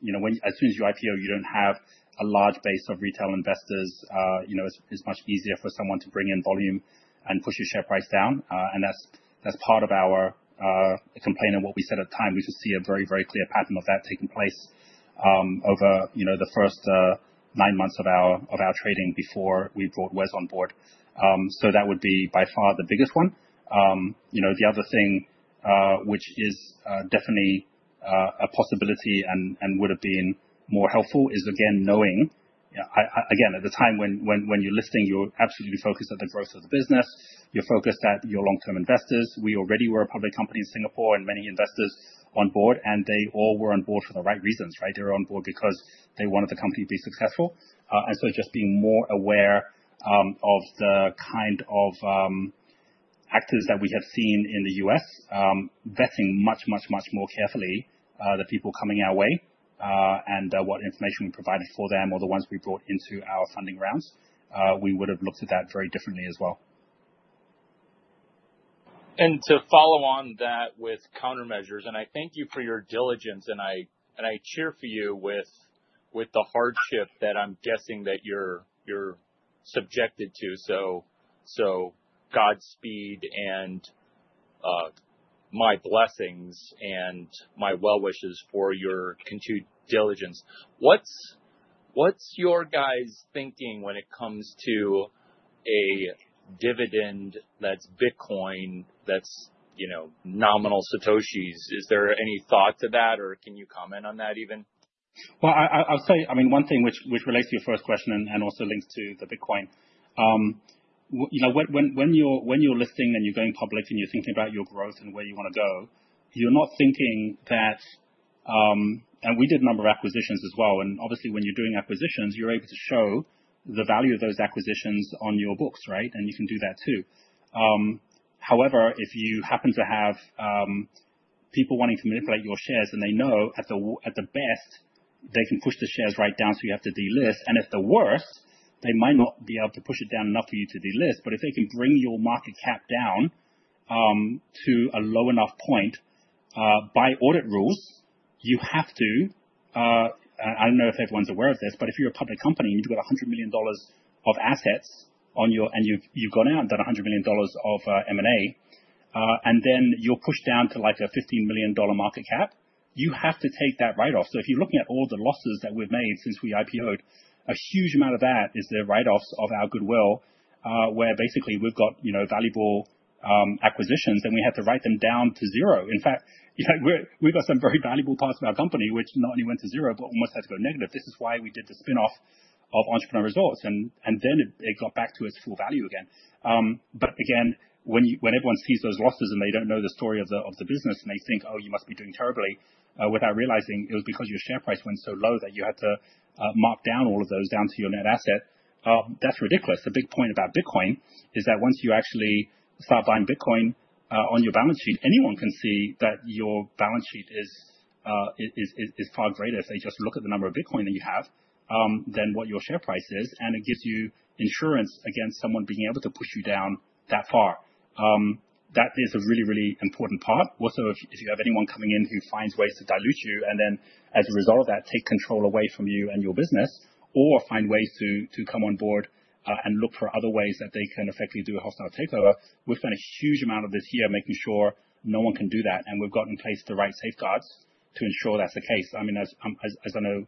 you know, as soon as you IPO, you don't have a large base of retail investors. It's much easier for someone to bring in volume and push your share price down. That's part of our complaint and what we said at the time. We could see a very, very clear pattern of that taking place over the first nine months of our trading before we brought Wes on board. That would be by far the biggest one. The other thing which is definitely a possibility and would have been more helpful is, again, knowing, at the time when you're listing, you're absolutely focused on the growth of the business. You're focused on your long-term investors. We already were a public company in Singapore and many investors on board. They all were on board for the right reasons, right? They were on board because they wanted the company to be successful. Just being more aware of the kind of actors that we have seen in the U.S., vetting much, much, much more carefully the people coming our way and what information we provided for them or the ones we brought into our funding rounds, we would have looked at that very differently as well. To follow on that with countermeasures, I thank you for your diligence. I cheer for you with the hardship that I'm guessing that you're subjected to. Godspeed and my blessings and my well wishes for your continued diligence. What's your guys' thinking when it comes to a dividend that's Bitcoin, that's nominal Satoshis? Is there any thought to that? Or can you comment on that even? I mean, one thing which relates to your first question and also links to the Bitcoin. You know, when you're listing and you're going public and you're thinking about your growth and where you want to go, you're not thinking that, and we did a number of acquisitions as well. Obviously, when you're doing acquisitions, you're able to show the value of those acquisitions on your books, right? You can do that too. However, if you happen to have people wanting to manipulate your shares and they know at the best they can push the shares right down so you have to delist. If they're worse, they might not be able to push it down enough for you to delist. If they can bring your market cap down to a low enough point by audit rules, you have to, and I don't know if everyone's aware of this, but if you're a public company and you've got $100 million of assets and you've gone out and done $100 million of M&A, and then you're pushed down to like a $15 million market cap, you have to take that write-off. If you're looking at all the losses that we've made since we IPOed, a huge amount of that is the write-offs of our goodwill, where basically we've got valuable acquisitions. We had to write them down to zero. In fact, we've got some very valuable parts of our company which not only went to zero, but almost had to go negative. This is why we did the spin-off of Entrepreneur Resorts. It got back to its full value again. When everyone sees those losses and they don't know the story of the business and they think, oh, you must be doing terribly without realizing it was because your share price went so low that you had to mark down all of those down to your net asset, that's ridiculous. The big point about Bitcoin is that once you actually start buying Bitcoin on your balance sheet, anyone can see that your balance sheet is far greater. If they just look at the number of Bitcoin that you have, then what your share price is. It gives you insurance against someone being able to push you down that far. That is a really, really important part. Also, if you have anyone coming in who finds ways to dilute you and then, as a result of that, take control away from you and your business or find ways to come on board and look for other ways that they can effectively do a hostile takeover, we've done a huge amount of this year making sure no one can do that. We have in place the right safeguards to ensure that's the case. As I know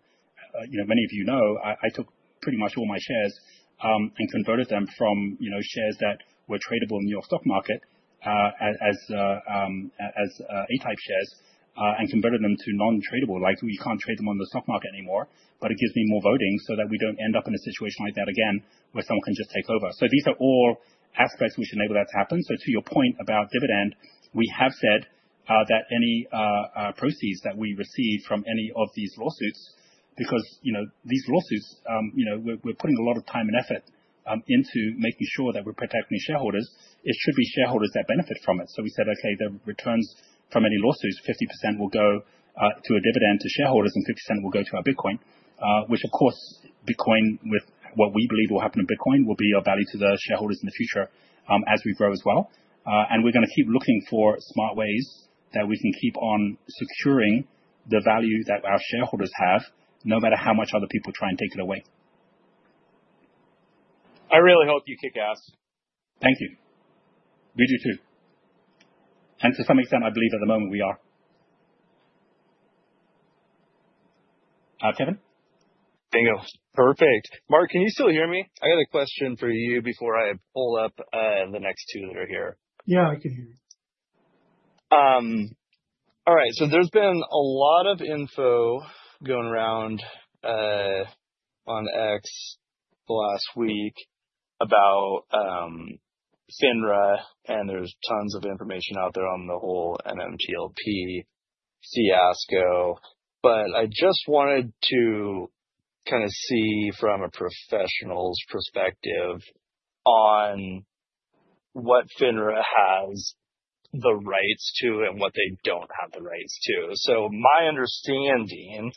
many of you know, I took pretty much all my shares and converted them from shares that were tradable in the New York stock market as A-type shares and converted them to non-tradable. You can't trade them on the stock market anymore, but it gives me more voting so that we don't end up in a situation like that again where someone can just take over. These are all aspects which enable that to happen. To your point about dividend, we have said that any proceeds that we receive from any of these lawsuits, because these lawsuits, we're putting a lot of time and effort into making sure that we're protecting shareholders. It should be shareholders that benefit from it. We said, OK, the returns from any lawsuits, 50% will go to a dividend to shareholders and 50% will go to our Bitcoin, which, of course, Bitcoin, with what we believe will happen in Bitcoin, will be of value to the shareholders in the future as we grow as well. We're going to keep looking for smart ways that we can keep on securing the value that our shareholders have, no matter how much other people try and take it away. I really hope you kick ass. Thank you. We do too. To some extent, I believe at the moment we are. Kevin? Dingos. Perfect. Mark, can you still hear me? I got a question for you before I pull up the next two that are here. Yeah, I can hear you. All right. There's been a lot of info going around on X the last week about FINRA. There's tons of information out there on the whole MMLTP fiasco. I just wanted to kind of see from a professional's perspective on what FINRA has the rights to and what they don't have the rights to. My understanding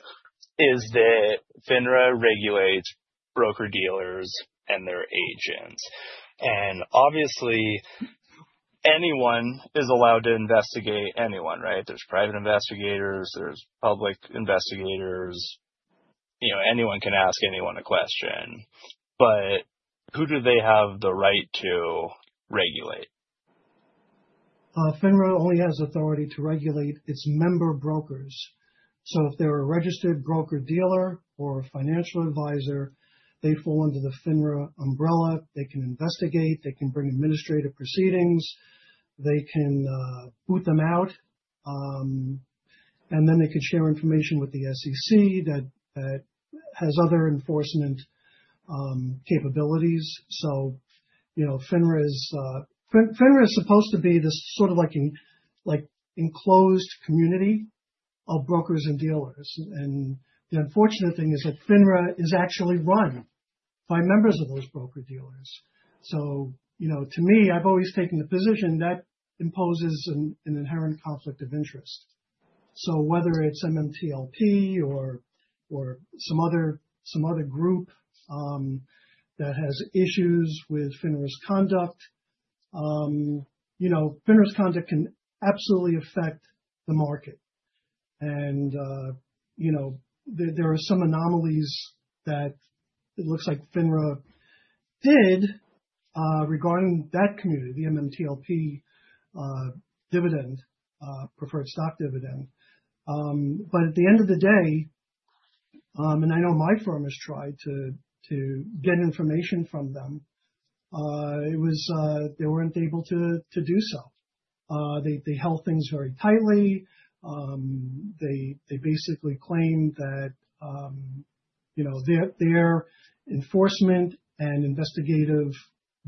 is that FINRA regulates broker-dealers and their agents. Obviously, anyone is allowed to investigate anyone, right? There's private investigators. There's public investigators. Anyone can ask anyone a question. Who do they have the right to regulate? FINRA only has authority to regulate its member brokers. If they're a registered broker-dealer or a financial advisor, they fall under the FINRA umbrella. They can investigate, bring administrative proceedings, boot them out, and share information with the SEC that has other enforcement capabilities. FINRA is supposed to be this sort of enclosed community of brokers and dealers. The unfortunate thing is that FINRA is actually run by members of those broker-dealers. To me, I've always taken the position that imposes an inherent conflict of interest. Whether it's MMTLP or some other group that has issues with FINRA's conduct, FINRA's conduct can absolutely affect the market. There are some anomalies that it looks like FINRA did regarding that community, the MMTLP dividend, preferred stock dividend. At the end of the day, and I know my firm has tried to get information from them, they weren't able to do so. They held things very tightly. They basically claimed that their enforcement and investigative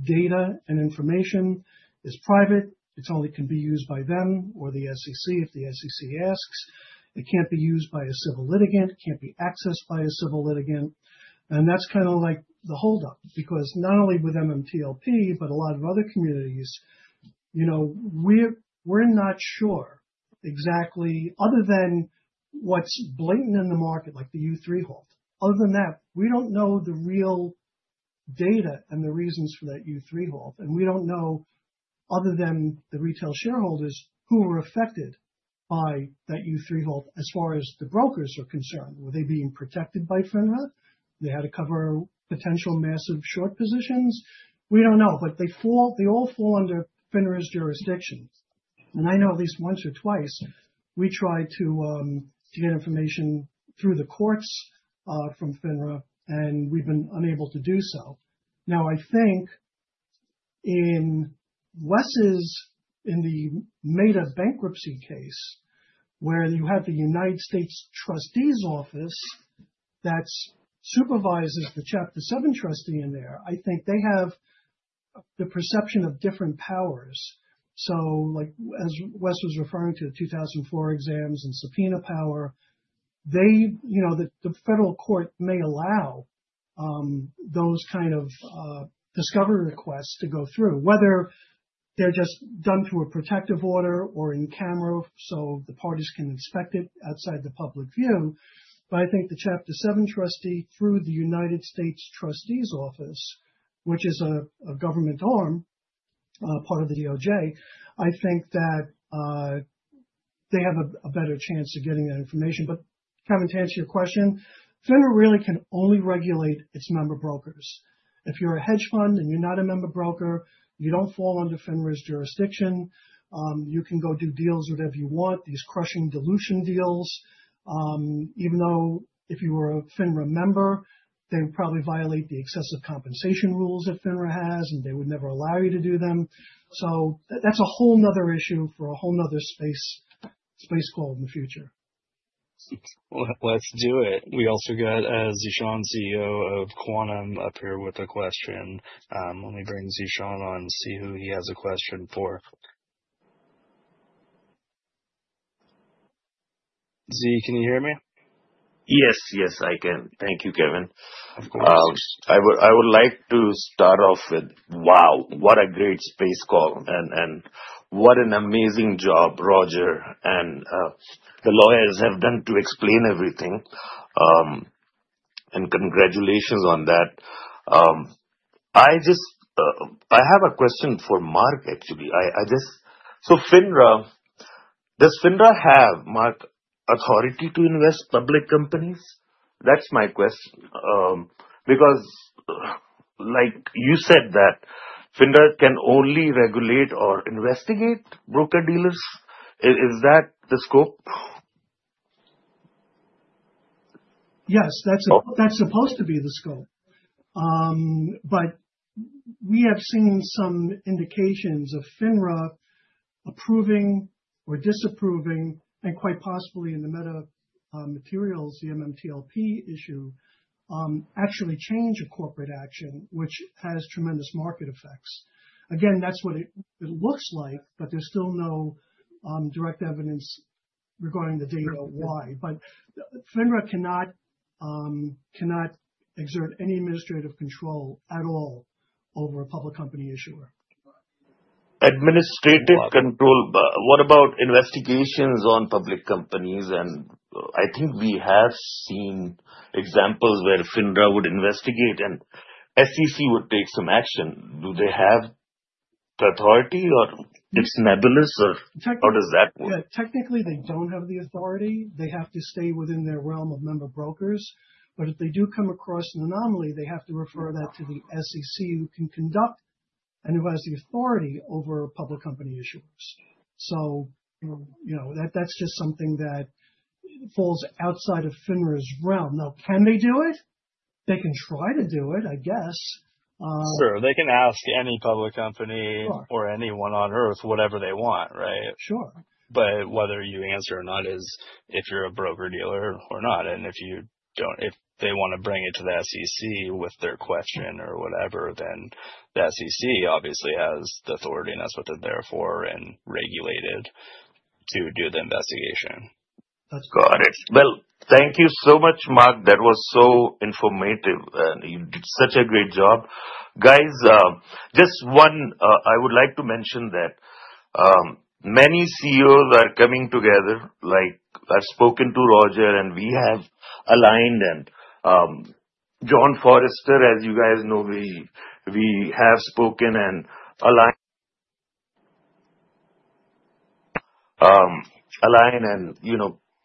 data and information is private. It only can be used by them or the SEC. If the SEC asks, it can't be used by a civil litigant. It can't be accessed by a civil litigant. That's kind of the holdup because not only with MMTLP, but a lot of other communities, we're not sure exactly, other than what's blatant in the market, like the U3 halt. Other than that, we don't know the real data and the reasons for that U3 halt. We don't know, other than the retail shareholders, who are affected by that U3 halt as far as the brokers are concerned. Were they being protected by FINRA? They had to cover potential massive short positions? We don't know. They all fall under FINRA's jurisdiction. I know at least once or twice we tried to get information through the courts from FINRA. We've been unable to do so. I think in Wes' in the made-up bankruptcy case, where you have the United States Trustees Office that supervises the Chapter 7 trustee in there, I think they have the perception of different powers. As Wes was referring to, 2004 exams and subpoena power, the federal court may allow those kind of discovery requests to go through, whether they're just done through a protective order or in camera, so the parties can inspect it outside the public view. I think the Chapter 7 trustee through the United States Trustees Office, which is a government arm, part of the DOJ, has a better chance of getting that information. Kevin, to answer your question, FINRA really can only regulate its member brokers. If you're a hedge fund and you're not a member broker, you don't fall under FINRA's jurisdiction. You can go do deals if you want, these crushing dilution deals. Even though if you were a FINRA member, they would probably violate the excessive compensation rules that FINRA has, and they would never allow you to do them. That's a whole other issue for a whole other space call in the future. Let's do it. We also got Zeeshan, CEO of Quantum, up here with a question. Let me bring Zeeshan on and see who he has a question for. Zee, can you hear me? Yes, yes, I can. Thank you, Kevin. Of course. I would like to start off with, wow, what a great space call and what an amazing job Roger James and the lawyers have done to explain everything. Congratulations on that. I just have a question for Mark, actually. Does FINRA have, Mark, authority to invest public companies? That's my question, because, like you said, FINRA can only regulate or investigate broker-dealers. Is that the scope? Yes, that's supposed to be the scope. We have seen some indications of FINRA approving or disapproving, and quite possibly in the meta materials, the MMTLP issue actually change a corporate action, which has tremendous market effects. Again, that's what it looks like, but there's still no direct evidence regarding the data why. FINRA cannot exert any administrative control at all over a public company issuer. Administrative control, but what about investigations on public companies? I think we have seen examples where FINRA would investigate and the SEC would take some action. Do they have the authority, or it's nebulous, or how does that work? Technically, they don't have the authority. They have to stay within their realm of member brokers. If they do come across an anomaly, they have to refer that to the SEC, who can conduct and who has the authority over public company issuers. That's just something that falls outside of FINRA's realm. Now, can they do it? They can try to do it, I guess. Sure, they can ask any public company or anyone on earth whatever they want, right? Sure. Whether you answer or not is if you're a broker-dealer or not. If you don't, if they want to bring it to the SEC with their question or whatever, then the SEC obviously has the authority, and that's what they're there for and regulated to do the investigation. Thank you so much, Mark. That was so informative and you did such a great job. I would like to mention that many CEOs are coming together, like I've spoken to Rogers and we have aligned, and John Forrester, as you guys know, we have spoken and aligned, and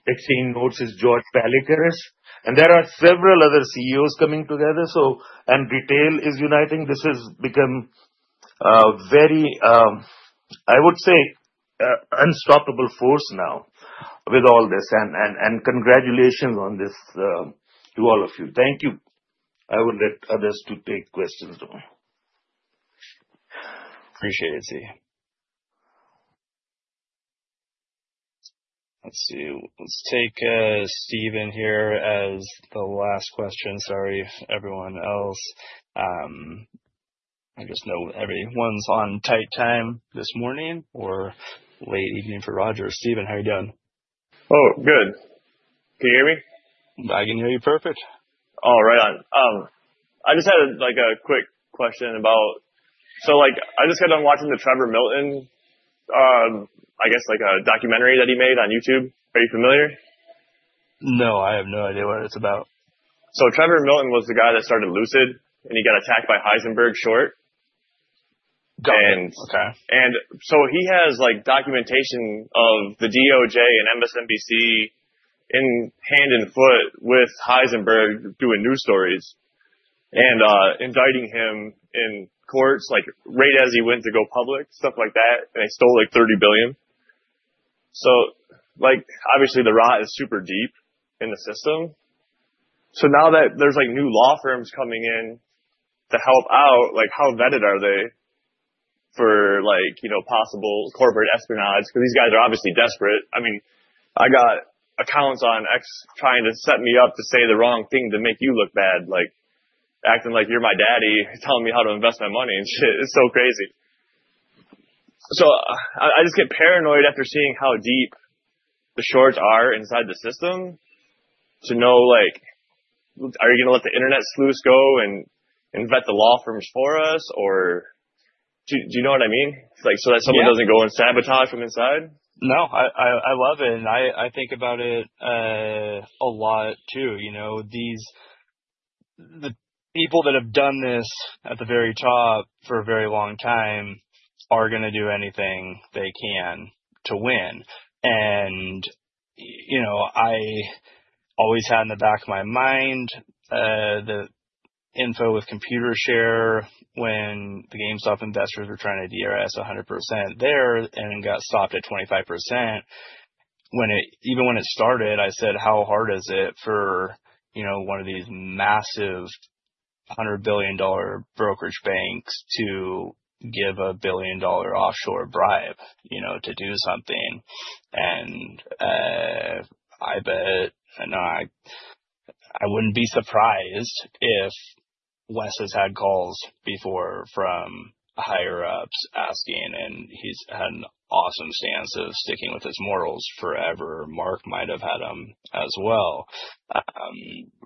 exchanged notes with George Pallikaris. There are several other CEOs coming together. Retail is uniting. This has become a very, I would say, unstoppable force now with all this. Congratulations on this, to all of you. Thank you. I will let others take questions though. Appreciate it, Zee. Let's see. Let's take Stephen here as the last question. Sorry, everyone else. I just know everyone's on tight time this morning or late evening for Roger. Stephen, how are you doing? Oh, good. Can you hear me? I can hear you perfectly. All right. I just had a quick question about, like, I just got done watching the Trevor Milton, I guess, like, a documentary that he made on YouTube. Are you familiar? No, I have no idea what it's about. Trevor Milton was the guy that started Lucid and he got attacked by Heisenberg short. He has documentation of the DOJ and MSNBC in hand and foot with Heisenberg doing news stories and indicting him in courts, like, right as he went to go public, stuff like that. They stole like $30 billion. Obviously the rot is super deep in the system. Now that there's new law firms coming in to help out, how vetted are they for possible corporate espionage? These guys are obviously desperate. I mean, I got accounts on X trying to set me up to say the wrong thing to make you look bad, like, acting like you're my daddy, telling me how to invest my money and shit. It's so crazy. I just get paranoid after seeing how deep the shorts are inside the system to know, are you going to let the internet sleuth go and vet the law firms for us or do you know what I mean? So that someone doesn't go and sabotage from inside? I love it. I think about it a lot too, you know, these people that have done this at the very top for a very long time are going to do anything they can to win. I always had in the back of my mind, the info with Computershare when the GameStop investors were trying to DRS 100% there and got swapped at 25%. When it started, I said, how hard is it for one of these massive $100 billion brokerage banks to give a $1 billion offshore bribe to do something? I bet, and I wouldn't be surprised if Wes has had calls before from higher-ups asking, and he's had an awesome stance of sticking with his morals forever. Mark might have had them as well.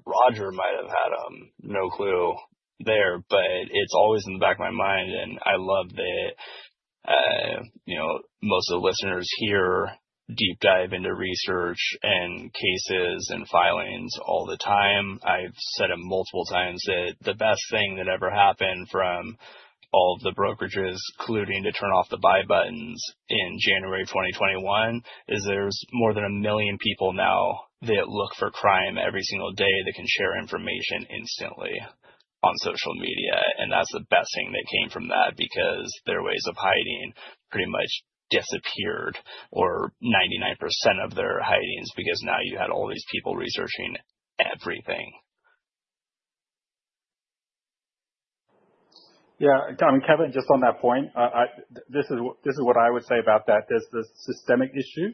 Roger might have had them. No clue there, but it's always in the back of my mind. I love that most of the listeners here deep dive into research and cases and filings all the time. I've said it multiple times that the best thing that ever happened from all of the brokerages colluding to turn off the buy buttons in January of 2021 is there's more than a million people now that look for crime every single day that can share information instantly on social media. That's the best thing that came from that because their ways of hiding pretty much disappeared or 99% of their hidings because now you had all these people researching everything. Yeah, I mean, Kevin, just on that point, this is what I would say about that. There's the systemic issue.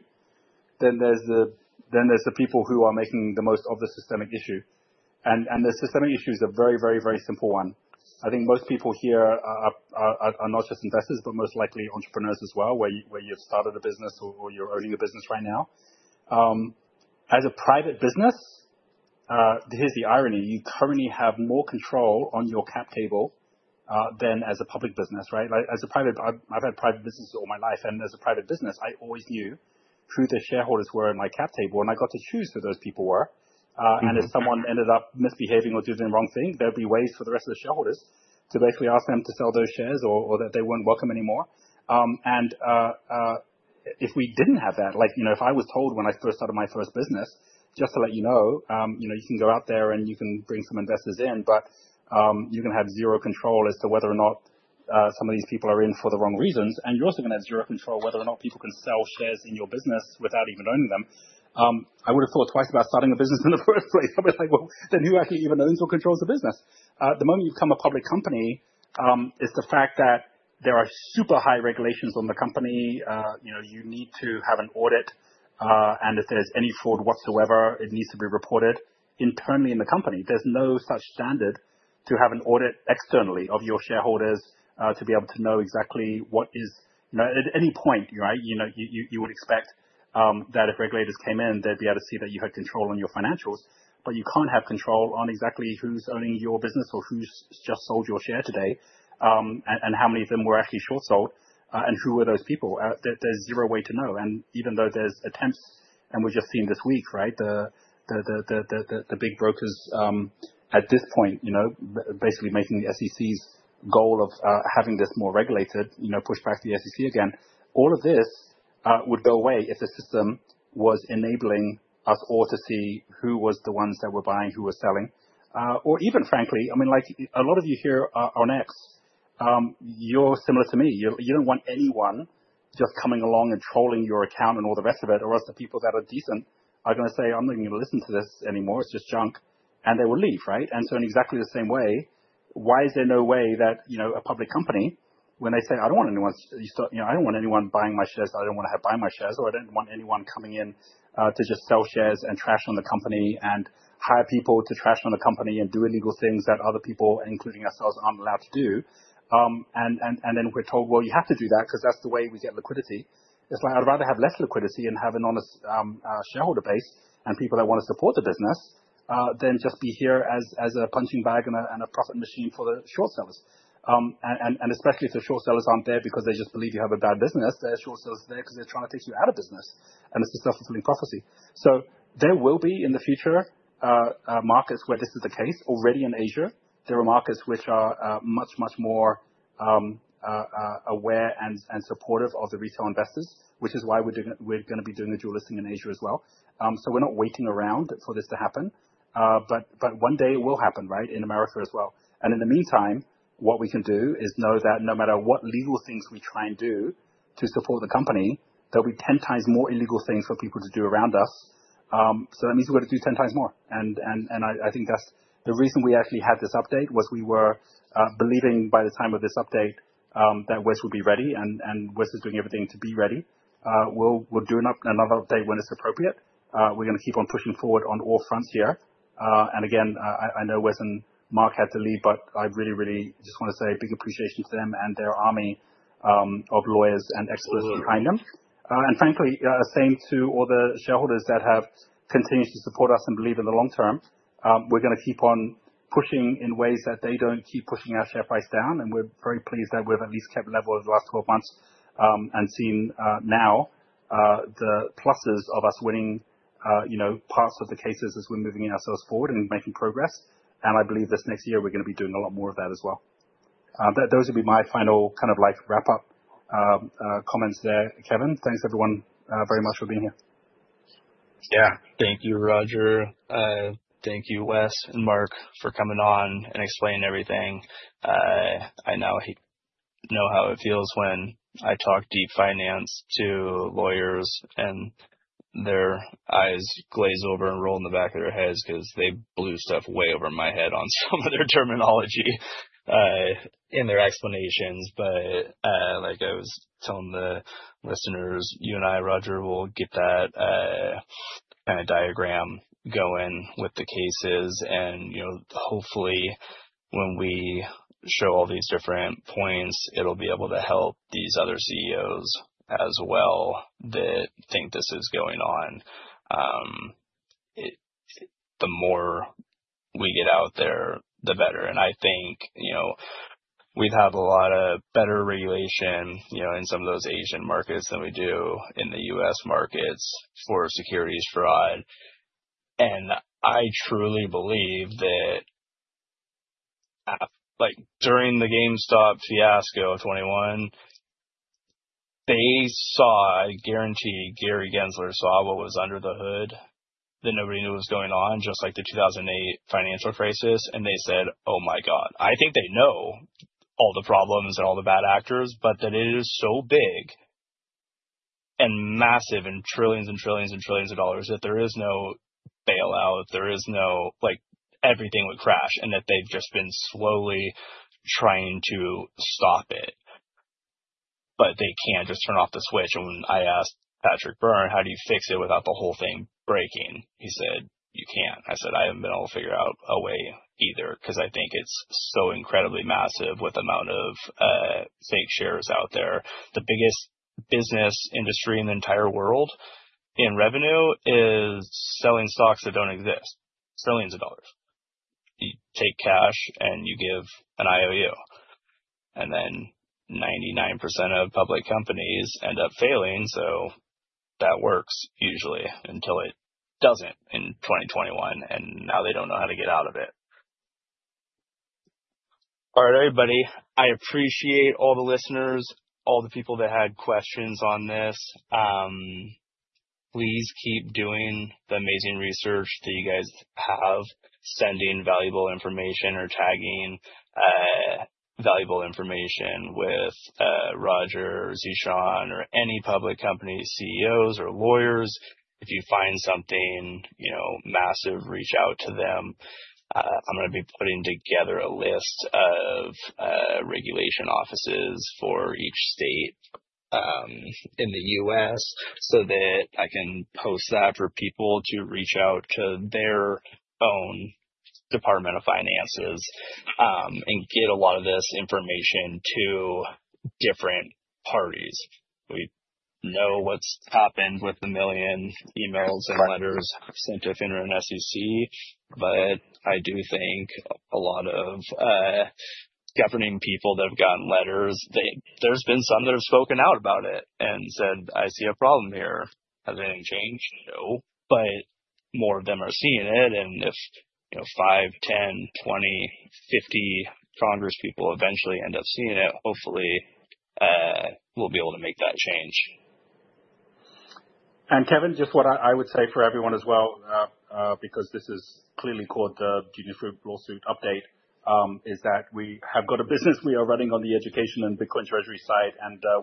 Then there's the people who are making the most of the systemic issue. The systemic issue is a very, very, very simple one. I think most people here are not just investors, but most likely entrepreneurs as well, where you've started a business or you're owning a business right now. As a private business, here's the irony. You currently have more control on your cap table than as a public business, right? Like, as a private, I've had private businesses all my life. As a private business, I always knew who the shareholders were in my cap table, and I got to choose who those people were. If someone ended up misbehaving or doing the wrong thing, there'd be ways for the rest of the shareholders to basically ask them to sell those shares or that they weren't welcome anymore. If we didn't have that, like, you know, if I was told when I first started my first business, just to let you know, you know, you can go out there and you can bring some investors in, but you can have zero control as to whether or not some of these people are in for the wrong reasons. You're also going to have zero control whether or not people can sell shares in your business without even owning them. I would have thought twice about starting a business in the first place. I was like, then who actually even owns or controls the business? The moment you become a public company is the fact that there are super high regulations on the company. You know, you need to have an audit, and if there's any fraud whatsoever, it needs to be reported internally in the company. There's no such standard to have an audit externally of your shareholders to be able to know exactly what is, you know, at any point, right? You know, you would expect that if regulators came in, they'd be able to see that you had control on your financials. You can't have control on exactly who's owning your business or who's just sold your share today, and how many of them were actually short sold, and who were those people. There's zero way to know. Even though there's attempts, and we're just seeing this week, right? The big brokers at this point, you know, basically making the SEC's goal of having this more regulated, you know, pushed back to the SEC again. All of this would go away if the system was enabling us all to see who was the ones that were buying, who were selling. Or even frankly, I mean, like a lot of you here on X, you're similar to me. You don't want anyone just coming along and trolling your account and all the rest of it, or else the people that are decent are going to say, "I'm not going to listen to this anymore. It's just junk." They would leave, right? In exactly the same way, why is there no way that, you know, a public company, when they say, "I don't want anyone, you know, I don't want anyone buying my shares, I don't want to have buy my shares, or I don't want anyone coming in to just sell shares and trash on the company and hire people to trash on the company and do illegal things that other people, including ourselves, aren't allowed to do." Then we're told, "Well, you have to do that because that's the way we get liquidity." It's why I'd rather have less liquidity and have an honest shareholder base and people that want to support the business, than just be here as a punching bag and a profit machine for the short sellers. Especially if the short sellers aren't there because they just believe you have a bad business. The short sellers are there because they're trying to take you out of business. It's a self-fulfilling prophecy. There will be, in the future, markets where this is the case. Already in Asia, there are markets which are much, much more aware and supportive of the retail investors, which is why we're going to be doing a dual listing in Asia as well. We're not waiting around for this to happen. One day it will happen, right, in America as well. In the meantime, what we can do is know that no matter what legal things we try and do to support the company, there'll be 10x more illegal things for people to do around us. That means we're going to do 10x more. I think that's the reason we actually had this update, we were believing by the time of this update that Wes would be ready. Wes is doing everything to be ready. We'll do another update when it's appropriate. We're going to keep on pushing forward on all fronts here. Again, I know Wes and Mark had to leave, but I really, really just want to say a big appreciation for them and their army of lawyers and experts behind them. And frankly, same to all the shareholders that have continued to support us and believe in the long term. We're going to keep on pushing in ways that they don't keep pushing our share price down. We're very pleased that we've at least kept the level over the last 12 months and seen, now, the pluses of us winning, you know, parts of the cases as we're moving ourselves forward and making progress. I believe this next year, we're going to be doing a lot more of that as well. Those would be my final kind of like wrap-up comments there, Kevin. Thanks everyone, very much for being here. Yeah, thank you, Roger. Thank you, Wes and Mark, for coming on and explaining everything. I know how it feels when I talk deep finance to lawyers and their eyes glaze over and roll in the back of their heads because they blew stuff way over my head on some of their terminology, in their explanations. Like I was telling the listeners, you and I, Roger, will get that kind of diagram going with the cases. Hopefully, when we show all these different points, it'll be able to help these other CEOs as well that think this is going on. The more we get out there, the better. I think we've had a lot of better regulation in some of those Asian markets than we do in the U.S. markets for securities fraud. I truly believe that during the GameStop fiasco of 2021, they saw, I guarantee, Gary Gensler saw what was under the hood that nobody knew was going on, just like the 2008 financial crisis. They said, "Oh my God." I think they know all the problems and all the bad actors, but that it is so big and massive and trillions and trillions and trillions of dollars that there is no bailout, there is no, like, everything would crash and that they've just been slowly trying to stop it. They can't just turn off the switch. When I asked Patrick Byrne, how do you fix it without the whole thing breaking? He said, "You can't." I said, "I haven't been able to figure out a way either because I think it's so incredibly massive with the amount of, saint shares out there." The biggest business industry in the entire world in revenue is selling stocks that don't exist. Billions of dollars. You take cash and you give an IOU. Then 99% of public companies end up failing. That works usually until it doesn't in 2021. Now they don't know how to get out of it. All right, everybody. I appreciate all the listeners, all the people that had questions on this. Please keep doing the amazing research that you guys have, sending valuable information or tagging valuable information with Roger or Zeeshan or any public company CEOs or lawyers. If you find something massive, reach out to them. I'm going to be putting together a list of regulation offices for each state in the U.S. so that I can post that for people to reach out to their own Department of Finances and get a lot of this information to different parties. We know what's happened with the million emails and letters sent to FINRA and the SEC. I do think a lot of governing people that have gotten letters, there's been some that have spoken out about it and said, "I see a problem here." Has anything changed? No, but more of them are seeing it. If, you know, 5, 10, 20, 50 Congress people eventually end up seeing it, hopefully, we'll be able to make that change. Kevin, just what I would say for everyone as well, because this is clearly called the Genius Group lawsuit update, is that we have got a business we are running on the education and the clean treasury side.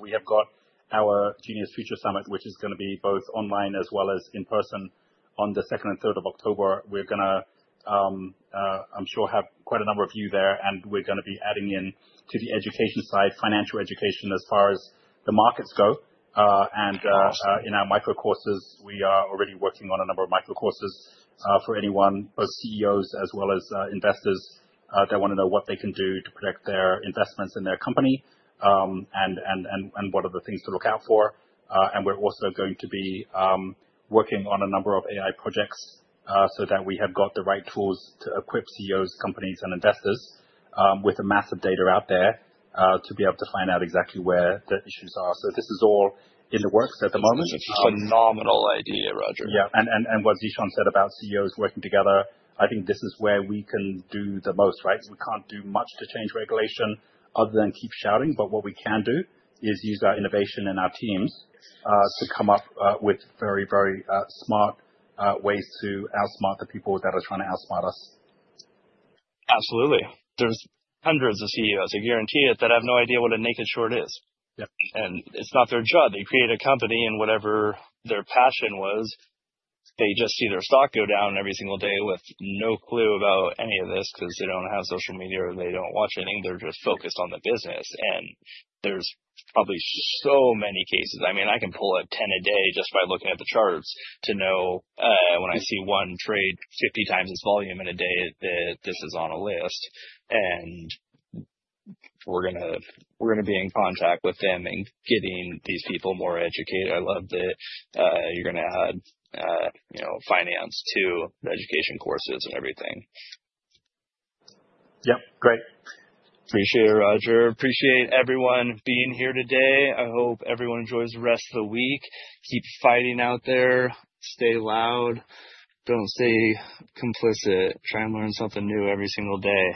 We have got our Genius Future Summit, which is going to be both online as well as in person on the 2nd and 3rd of October. We're going to, I'm sure, have quite a number of you there, and we're going to be adding in to the education side, financial education as far as the markets go. In our micro-courses, we are already working on a number of micro-courses for anyone, both CEOs as well as investors, that want to know what they can do to protect their investments in their company, and what are the things to look out for. We're also going to be working on a number of AI projects, so that we have got the right tools to equip CEOs, companies, and investors, with the massive data out there, to be able to find out exactly where the issues are. This is all in the works at the moment. It's a phenomenal idea, Roger. Yeah, what Zeeshan said about CEOs working together, I think this is where we can do the most, right? We can't do much to change regulation other than keep shouting, but what we can do is use our innovation and our teams to come up with very, very smart ways to outsmart the people that are trying to outsmart us. Absolutely. There's hundreds of CEOs, I guarantee it, that have no idea what a naked short is. Yeah. It's not their job. They create a company and whatever their passion was, they just see their stock go down every single day with no clue about any of this because they don't have social media or they don't watch anything. They're just focused on the business. There's probably so many cases. I can pull a 10 a day just by looking at the charts to know, when I see one trade 50 times its volume in a day that this is on a list. We're going to be in contact with them and getting these people more educated. I love that, you're going to add, you know, finance to the education courses and everything. Yep, great. Appreciate it, Roger. Appreciate everyone being here today. I hope everyone enjoys the rest of the week. Keep fighting out there. Stay loud. Don't stay complicit. Try and learn something new every single day.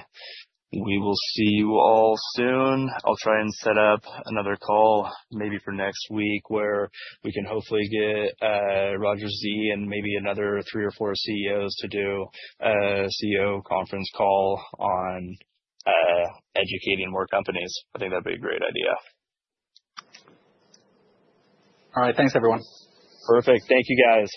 We will see you all soon. I'll try and set up another call maybe for next week where we can hopefully get Roger, Zeeshan, and maybe another three or four CEOs to do a CEO conference call on educating more companies. I think that'd be a great idea. All right. Thanks, everyone. Perfect. Thank you, guys.